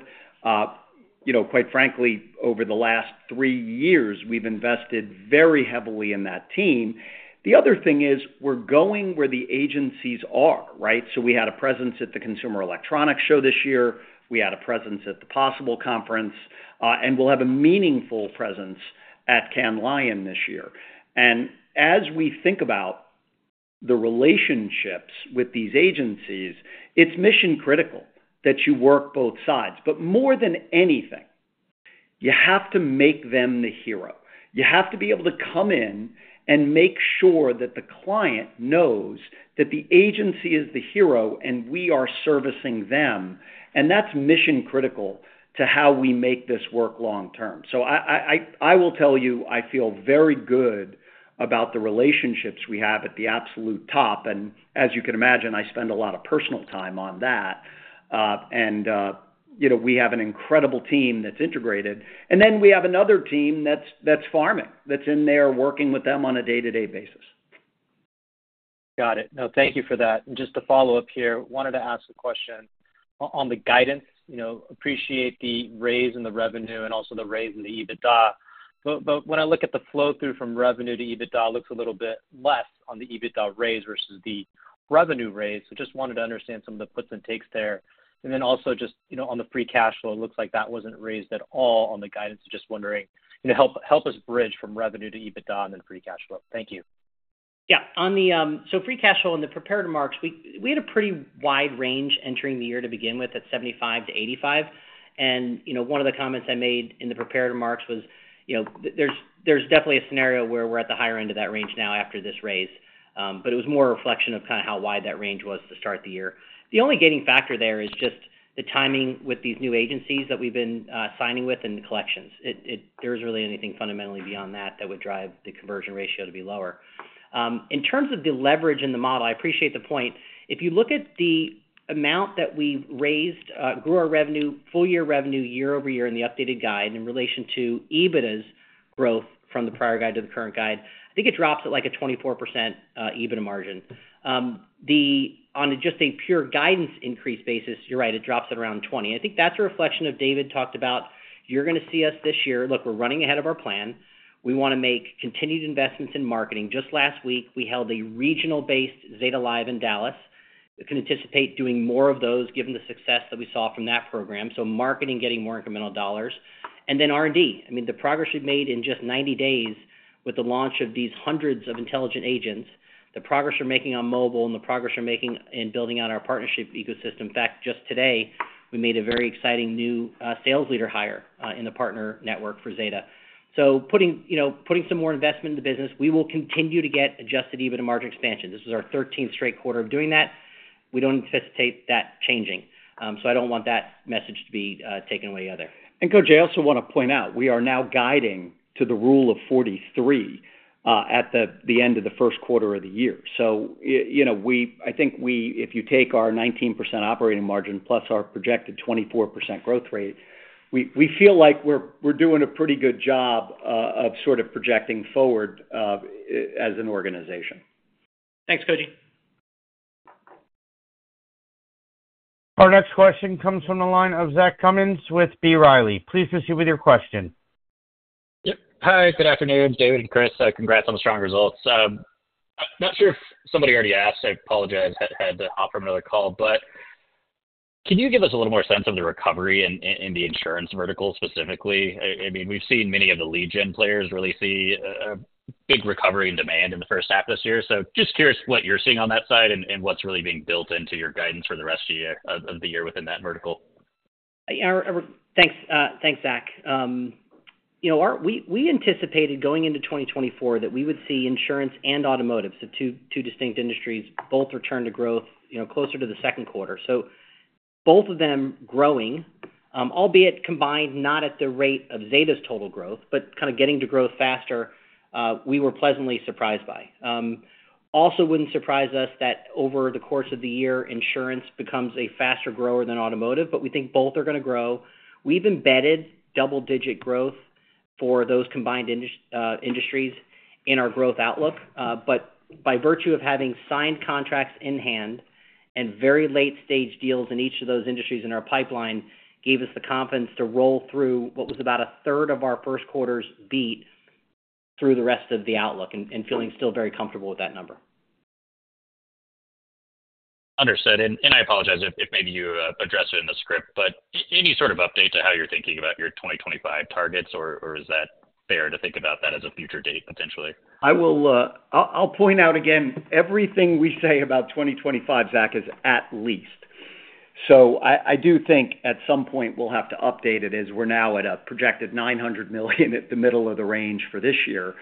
Quite frankly, over the last three years, we've invested very heavily in that team. The other thing is we're going where the agencies are, right? So we had a presence at the Consumer Electronics Show this year. We had a presence at the Possible Conference. And we'll have a meaningful presence at Cannes Lions this year. And as we think about the relationships with these agencies, it's mission-critical that you work both sides. But more than anything, you have to make them the hero. You have to be able to come in and make sure that the client knows that the agency is the hero and we are servicing them. And that's mission-critical to how we make this work long-term. So I will tell you, I feel very good about the relationships we have at the absolute top. And as you can imagine, I spend a lot of personal time on that. And we have an incredible team that's integrated. And then we have another team that's farming, that's in there working with them on a day-to-day basis. Got it. No, thank you for that. And just to follow up here, wanted to ask a question on the guidance. Appreciate the raise in the revenue and also the raise in the EBITDA. But when I look at the flow-through from revenue to EBITDA, it looks a little bit less on the EBITDA raise versus the revenue raise. So just wanted to understand some of the puts and takes there. And then also just on the free cash flow, it looks like that wasn't raised at all on the guidance. Just wondering, help us bridge from revenue to EBITDA and then free cash flow. Thank you. Yeah. So free cash flow and the prepared remarks, we had a pretty wide range entering the year to begin with at $75-$85. And one of the comments I made in the prepared remarks was there's definitely a scenario where we're at the higher end of that range now after this raise. But it was more a reflection of kind of how wide that range was to start the year. The only gating factor there is just the timing with these new agencies that we've been signing with and the collections. There isn't really anything fundamentally beyond that that would drive the conversion ratio to be lower. In terms of the leverage in the model, I appreciate the point. If you look at the amount that we've raised, grew our revenue, full-year revenue year-over-year in the updated guide in relation to EBITDA's growth from the prior guide to the current guide, I think it drops at like a 24% EBITDA margin. On just a pure guidance increase basis, you're right, it drops at around 20%. And I think that's a reflection of David talked about, "You're going to see us this year. Look, we're running ahead of our plan. We want to make continued investments in marketing." Just last week, we held a regional-based Zeta Live in Dallas. You can anticipate doing more of those given the success that we saw from that program. So marketing getting more incremental dollars. And then R&D. I mean, the progress we've made in just 90 days with the launch of these hundreds of intelligent agents, the progress we're making on mobile, and the progress we're making in building out our partnership ecosystem. In fact, just today, we made a very exciting new sales leader hire in the partner network for Zeta. So putting some more investment in the business, we will continue to get adjusted EBITDA margin expansion. This was our 13th straight quarter of doing that. We don't anticipate that changing. So I don't want that message to be taken away either. And Koji, I also want to point out, we are now guiding to the Rule of 43 at the end of the first quarter of the year. So I think if you take our 19% operating margin plus our projected 24% growth rate, we feel like we're doing a pretty good job of sort of projecting forward as an organization. Thanks, Koji. Our next question comes from the line of Zach Cummins with B. Riley. Please proceed with your question. Yep. Hi. Good afternoon, David and Chris. Congrats on the strong results. I'm not sure if somebody already asked. I apologize. I had to hop from another call. But can you give us a little more sense of the recovery in the insurance vertical specifically? I mean, we've seen many of the lead-gen players really see a big recovery in demand in the first half of this year. So just curious what you're seeing on that side and what's really being built into your guidance for the rest of the year within that vertical. Thanks, Zach. We anticipated going into 2024 that we would see insurance and automotives, the two distinct industries, both return to growth closer to the second quarter. So both of them growing, albeit combined not at the rate of Zeta's total growth, but kind of getting to grow faster, we were pleasantly surprised by. Also wouldn't surprise us that over the course of the year, insurance becomes a faster grower than automotive. But we think both are going to grow. We've embedded double-digit growth for those combined industries in our growth outlook. But by virtue of having signed contracts in hand and very late-stage deals in each of those industries in our pipeline gave us the confidence to roll through what was about 1/3 of our first quarter's beat through the rest of the outlook and feeling still very comfortable with that number. Understood. I apologize if maybe you addressed it in the script, but any sort of update to how you're thinking about your 2025 targets? Or is that fair to think about that as a future date, potentially? I'll point out again, everything we say about 2025, Zach, is at least. So I do think at some point we'll have to update it as we're now at a projected $900 million at the middle of the range for this year.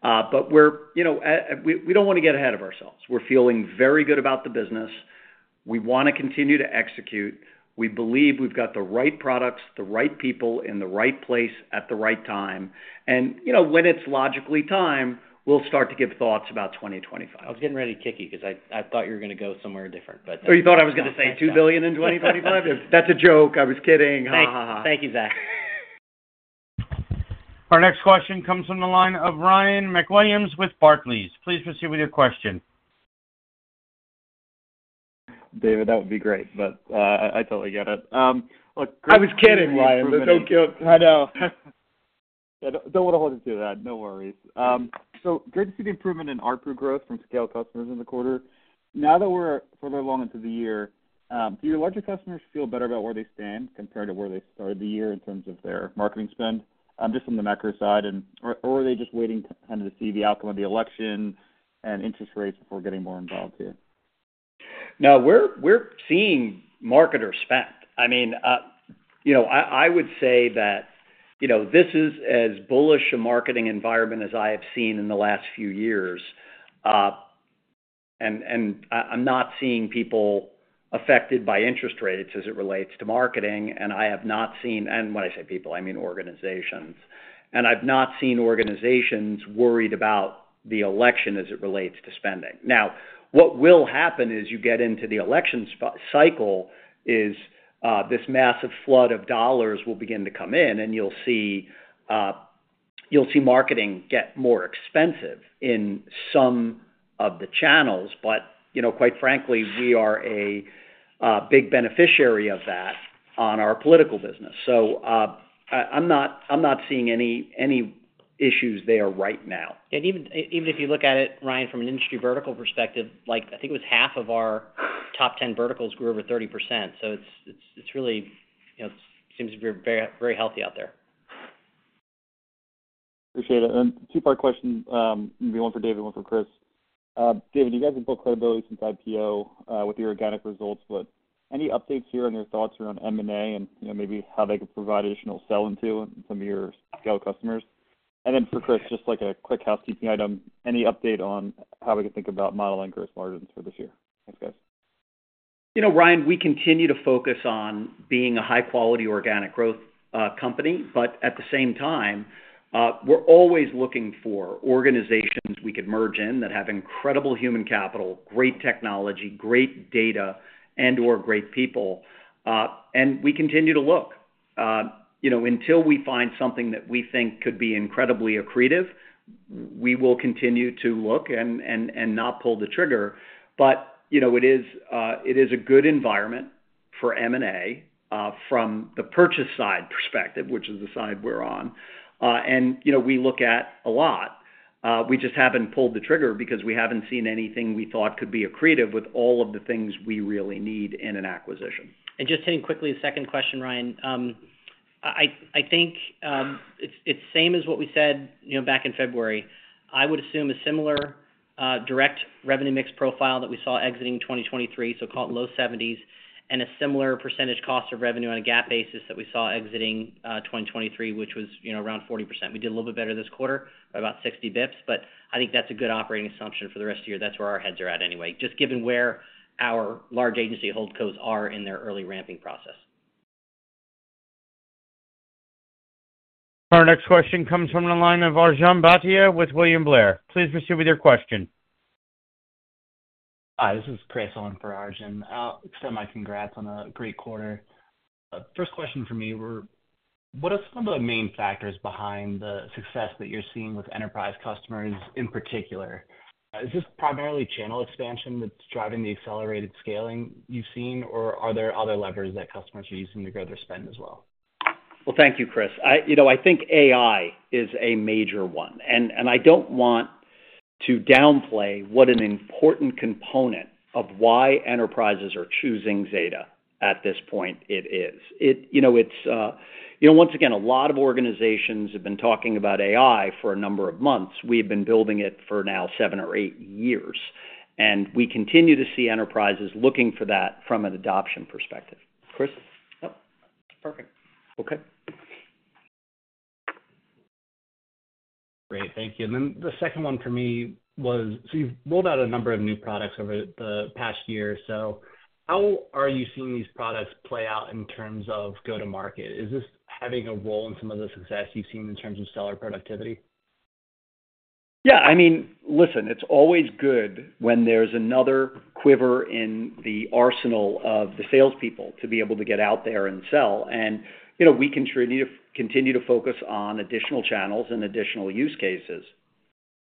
But we don't want to get ahead of ourselves. We're feeling very good about the business. We want to continue to execute. We believe we've got the right products, the right people, in the right place at the right time. And when it's logically time, we'll start to give thoughts about 2025. I was getting ready to kick you because I thought you were going to go somewhere different. But. Oh, you thought I was going to say $2 billion in 2025? That's a joke. I was kidding. Ha, ha, ha. Thank you, Zach. Our next question comes from the line of Ryan MacWilliams with Barclays. Please proceed with your question. David, that would be great. But I totally get it. Look, great improvement. I was kidding, Ryan. But don't kill it. I know. Don't want to hold it to that. No worries. So great to see the improvement in ARPU growth from scale customers in the quarter. Now that we're further along into the year, do your larger customers feel better about where they stand compared to where they started the year in terms of their marketing spend, just from the macro side? Or are they just waiting kind of to see the outcome of the election and interest rates before getting more involved here? Now, we're seeing marketer spend. I mean, I would say that this is as bullish a marketing environment as I have seen in the last few years. And I'm not seeing people affected by interest rates as it relates to marketing. And I have not seen and when I say people, I mean organizations. I've not seen organizations worried about the election as it relates to spending. Now, what will happen as you get into the election cycle is this massive flood of dollars will begin to come in. You'll see marketing get more expensive in some of the channels. But quite frankly, we are a big beneficiary of that on our political business. I'm not seeing any issues there right now. Even if you look at it, Ryan, from an industry vertical perspective, I think it was half of our top 10 verticals grew over 30%. It really seems to be very healthy out there. Appreciate it. Two-part questions. Maybe one for David, one for Chris. David, you guys have built credibility since IPO with your organic results. But any updates here on your thoughts around M&A and maybe how they could provide additional selling to some of your scale customers? And then for Chris, just like a quick housekeeping item, any update on how we could think about modeling gross margins for this year? Thanks, guys. Ryan, we continue to focus on being a high-quality organic growth company. But at the same time, we're always looking for organizations we could merge in that have incredible human capital, great technology, great data, and/or great people. We continue to look. Until we find something that we think could be incredibly accretive, we will continue to look and not pull the trigger. But it is a good environment for M&A from the purchase side perspective, which is the side we're on. We look at a lot. We just haven't pulled the trigger because we haven't seen anything we thought could be accretive with all of the things we really need in an acquisition. Just hitting quickly a second question, Ryan. I think it's same as what we said back in February. I would assume a similar direct revenue mix profile that we saw exiting 2023, so call it low 70s, and a similar percentage cost of revenue on a GAAP basis that we saw exiting 2023, which was around 40%. We did a little bit better this quarter by about 60 basis points. But I think that's a good operating assumption for the rest of the year. That's where our heads are at anyway, just given where our large agency HoldCos are in their early ramping process. Our next question comes from the line of Arjun Bhatia with William Blair. Please proceed with your question. Hi. This is Chris Holland for Arjun. Send my congrats on a great quarter. First question for me, what are some of the main factors behind the success that you're seeing with enterprise customers in particular? Is this primarily channel expansion that's driving the accelerated scaling you've seen? Or are there other levers that customers are using to grow their spend as well? Well, thank you, Chris. I think AI is a major one. And I don't want to downplay what an important component of why enterprises are choosing Zeta at this point. It is. It's once again, a lot of organizations have been talking about AI for a number of months. We have been building it for now seven or eight years. And we continue to see enterprises looking for that from an adoption perspective. Chris? Yep. Perfect. Okay. Great. Thank you. And then the second one for me was so you've rolled out a number of new products over the past year. So how are you seeing these products play out in terms of go-to-market? Is this having a role in some of the success you've seen in terms of seller productivity? Yeah. I mean, listen, it's always good when there's another quiver in the arsenal of the salespeople to be able to get out there and sell. And we continue to focus on additional channels and additional use cases.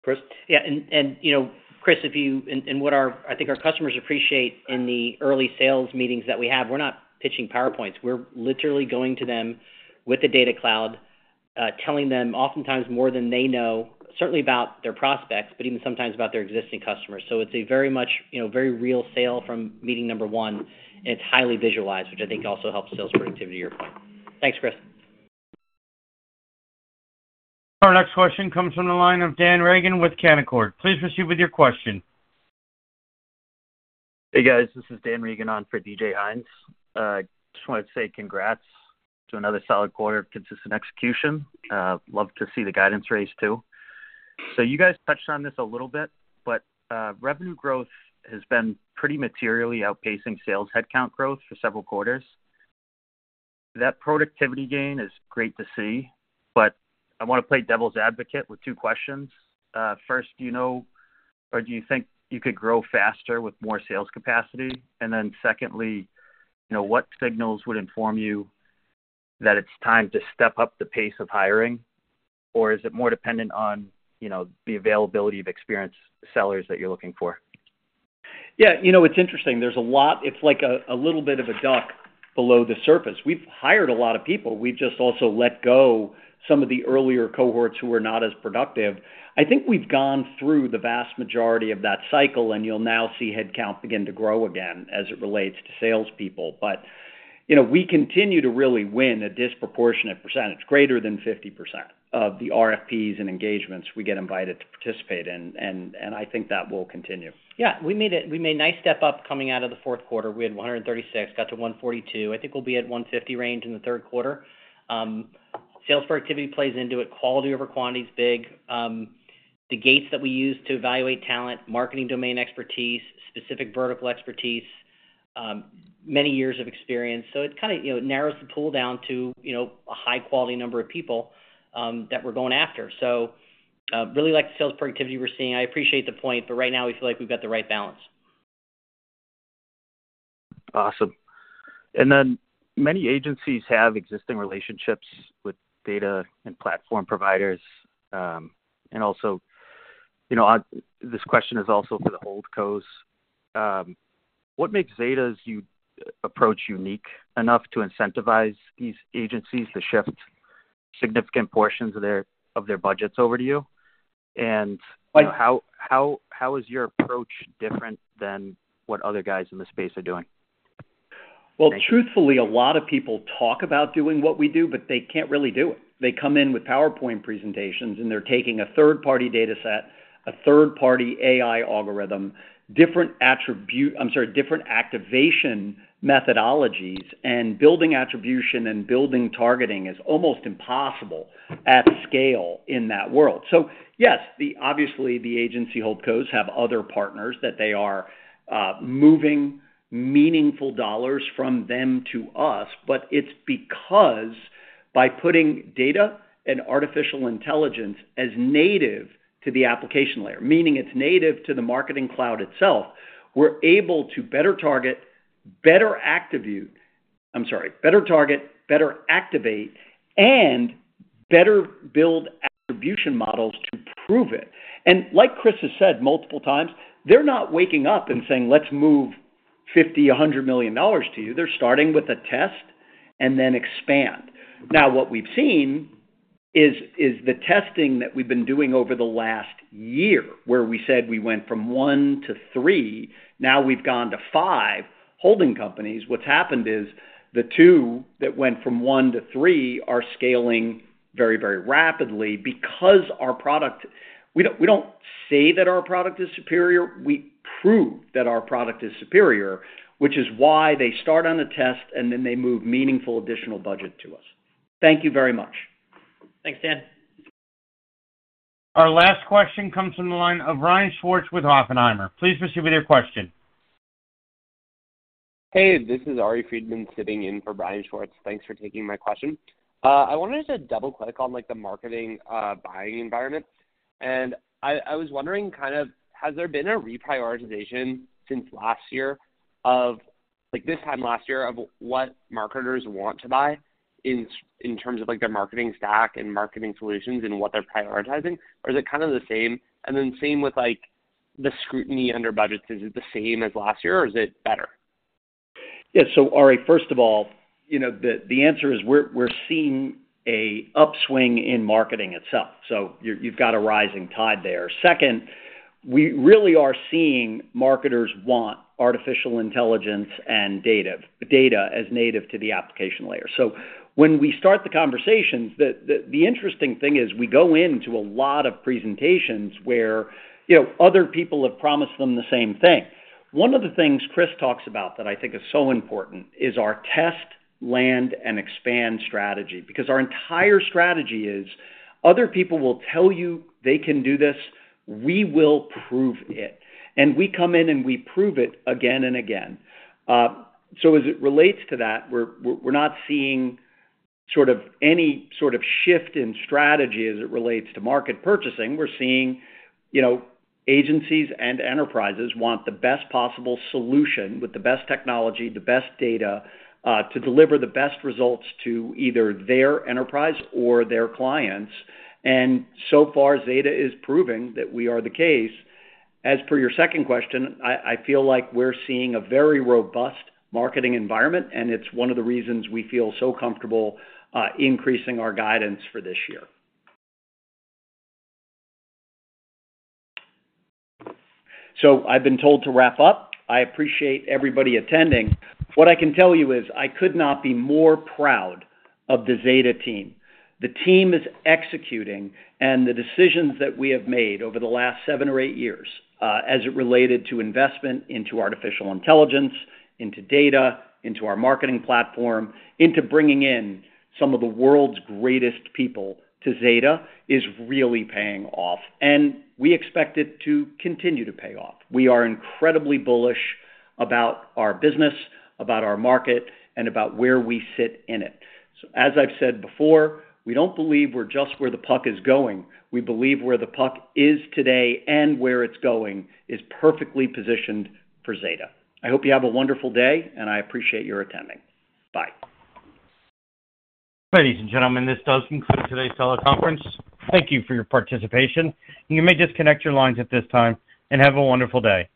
Chris? Yeah. And Chris, if you and what I think our customers appreciate in the early sales meetings that we have, we're not pitching PowerPoints. We're literally going to them with the data cloud, telling them oftentimes more than they know, certainly about their prospects, but even sometimes about their existing customers. So it's very much very real sale from meeting number one. And it's highly visualized, which I think also helps sales productivity, your point. Thanks, Chris. Our next question comes from the line of Dan Reagan with Canaccord. Please proceed with your question. Hey, guys. This is Dan Reagan on for DJ Hynes. I just wanted to say congrats to another solid quarter of consistent execution. Love to see the guidance raise too. So you guys touched on this a little bit. But revenue growth has been pretty materially outpacing sales headcount growth for several quarters. That productivity gain is great to see. But I want to play devil's advocate with two questions. First, do you know or do you think you could grow faster with more sales capacity? And then secondly, what signals would inform you that it's time to step up the pace of hiring? Or is it more dependent on the availability of experienced sellers that you're looking for? Yeah. It's interesting. There's a lot it's like a little bit of a duck below the surface. We've hired a lot of people. We've just also let go some of the earlier cohorts who were not as productive. I think we've gone through the vast majority of that cycle. And you'll now see headcount begin to grow again as it relates to salespeople. But we continue to really win a disproportionate percentage, greater than 50% of the RFPs and engagements we get invited to participate in. And I think that will continue. Yeah. We made a nice step up coming out of the fourth quarter. We had 136, got to 142. I think we'll be at 150 range in the third quarter. Sales productivity plays into it. Quality over quantity is big. The gates that we use to evaluate talent, marketing domain expertise, specific vertical expertise, many years of experience. So it kind of narrows the pool down to a high-quality number of people that we're going after. So really like the sales productivity we're seeing. I appreciate the point. But right now, we feel like we've got the right balance. Awesome. And then many agencies have existing relationships with data and platform providers. And also this question is also for the HoldCos. What makes Zeta's approach unique enough to incentivize these agencies to shift significant portions of their budgets over to you? And how is your approach different than what other guys in the space are doing? Well, truthfully, a lot of people talk about doing what we do, but they can't really do it. They come in with PowerPoint presentations. And they're taking a third-party data set, a third-party AI algorithm, different attribute I'm sorry, different activation methodologies. And building attribution and building targeting is almost impossible at scale in that world. So yes, obviously, the agency HoldCos have other partners that they are moving meaningful dollars from them to us. But it's because by putting data and artificial intelligence as native to the application layer, meaning it's native to the marketing cloud itself, we're able to better target, better activate I'm sorry, better target, better activate, and better build attribution models to prove it. And like Chris has said multiple times, they're not waking up and saying, "Let's move $50 million, $100 million to you." They're starting with a test and then expand. Now, what we've seen is the testing that we've been doing over the last year where we said we went from 1-3. Now, we've gone to five holding companies. What's happened is the two that went from 1-3 are scaling very, very rapidly because our product we don't say that our product is superior. We prove that our product is superior, which is why they start on a test. And then they move meaningful additional budget to us. Thank you very much. Thanks, Dan. Our last question comes from the line of Brian Schwartz with Oppenheimer. Please proceed with your question. Hey. This is Ari Friedman sitting in for Brian Schwartz. Thanks for taking my question. I wanted to double-click on the marketing buying environment. I was wondering kind of, has there been a reprioritization since last year of this time last year of what marketers want to buy in terms of their marketing stack and marketing solutions and what they're prioritizing? Or is it kind of the same? Then same with the scrutiny under budgets, is it the same as last year? Or is it better? Yeah. So Ari, first of all, the answer is we're seeing an upswing in marketing itself. So you've got a rising tide there. Second, we really are seeing marketers want artificial intelligence and data as native to the application layer. So when we start the conversations, the interesting thing is we go into a lot of presentations where other people have promised them the same thing. One of the things Chris talks about that I think is so important is our test, land, and expand strategy because our entire strategy is, "Other people will tell you they can do this. We will prove it." And we come in, and we prove it again and again. So as it relates to that, we're not seeing sort of any sort of shift in strategy as it relates to market purchasing. We're seeing agencies and enterprises want the best possible solution with the best technology, the best data to deliver the best results to either their enterprise or their clients. And so far, Zeta is proving that we are the case. As per your second question, I feel like we're seeing a very robust marketing environment. And it's one of the reasons we feel so comfortable increasing our guidance for this year. So I've been told to wrap up. I appreciate everybody attending. What I can tell you is I could not be more proud of the Zeta team. The team is executing. And the decisions that we have made over the last seven or eight years as it related to investment into artificial intelligence, into data, into our marketing platform, into bringing in some of the world's greatest people to Zeta is really paying off. We expect it to continue to pay off. We are incredibly bullish about our business, about our market, and about where we sit in it. As I've said before, we don't believe we're just where the puck is going. We believe where the puck is today and where it's going is perfectly positioned for Zeta. I hope you have a wonderful day. I appreciate your attending. Bye. Ladies and gentlemen, this does conclude today's teleconference. Thank you for your participation. You may disconnect your lines at this time and have a wonderful day.